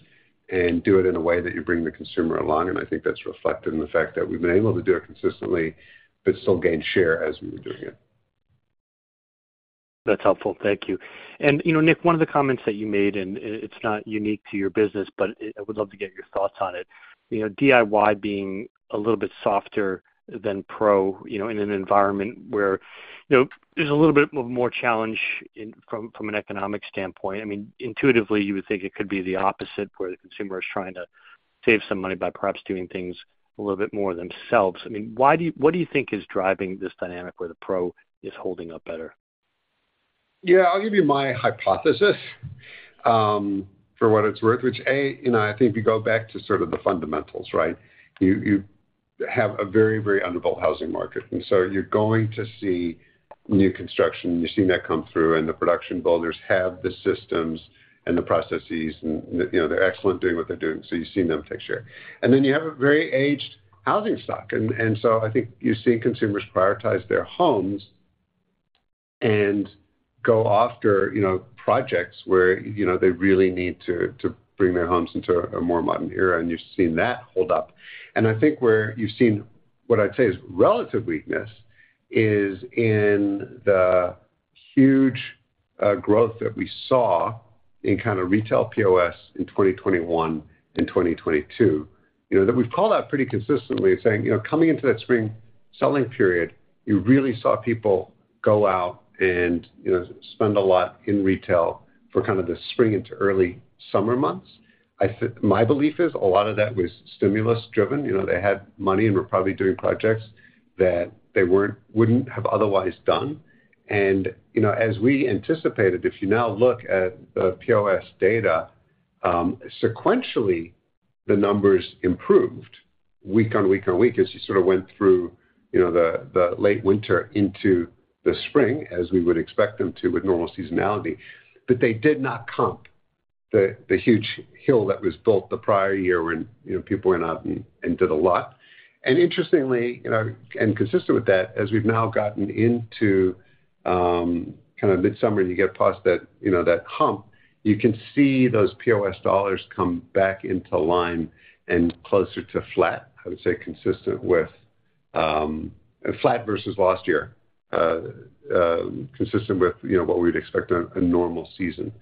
and do it in a way that you bring the consumer along. I think that's reflected in the fact that we've been able to do it consistently, but still gain share as we were doing it. That's helpful. Thank you. You know, Nick, one of the comments that you made, and it, it's not unique to your business, but I would love to get your thoughts on it. You know, DIY being a little bit softer than pro, you know, in an environment where, you know, there's a little bit of more challenge from an economic standpoint. I mean, intuitively, you would think it could be the opposite, where the consumer is trying to save some money by perhaps doing things a little bit more themselves. I mean, what do you think is driving this dynamic where the pro is holding up better? Yeah, I'll give you my hypothesis, for what it's worth, which, A, you know, I think if you go back to sort of the fundamentals, right? You, you have a very, very unstable housing market, and so you're going to see new construction, you're seeing that come through, and the production builders have the systems and the processes, and, you know, they're excellent at doing what they're doing, so you've seen them take share. Then you have a very aged housing stock. And so I think you're seeing consumers prioritize their homes and go after, you know, projects where, you know, they really need to, to bring their homes into a more modern era, and you've seen that hold up. I think where you've seen, what I'd say is relative weakness, is in the huge growth that we saw in kind of retail POS in 2021 and 2022. You know, that we've called out pretty consistently saying, you know, coming into that spring selling period, you really saw people go out and, you know, spend a lot in retail for kind of the spring into early summer months. My belief is a lot of that was stimulus driven. You know, they had money and were probably doing projects that they wouldn't have otherwise done. You know, as we anticipated, if you now look at the POS data, sequentially, the numbers improved week on week on week as you sort of went through, you know, the, the late winter into the spring, as we would expect them to with normal seasonality. They did not comp the huge hill that was built the prior year when, you know, people went out and did a lot. Interestingly, you know, and consistent with that, as we've now gotten into kind of midsummer, you get past that, you know, that hump, you can see those POS dollars come back into line and closer to flat. I would say consistent with flat versus last year, consistent with, you know, what we'd expect a normal season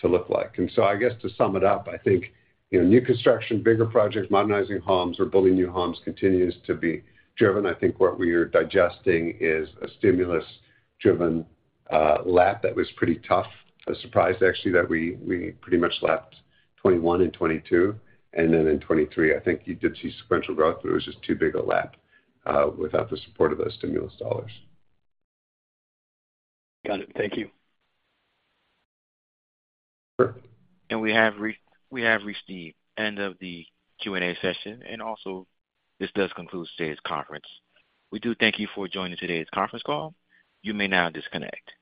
to look like. I guess to sum it up, I think, you know, new construction, bigger projects, modernizing homes or building new homes continues to be driven. I think what we are digesting is a stimulus-driven lap that was pretty tough. A surprise, actually, that we, we pretty much lapped 2021 and 2022. And then in 2023, I think you did see sequential growth, but it was just too big a lap, without the support of those stimulus dollars. Got it. Thank you. We have reached the end of the Q&A session, and also this does conclude today's conference. We do thank you for joining today's conference call. You may now disconnect.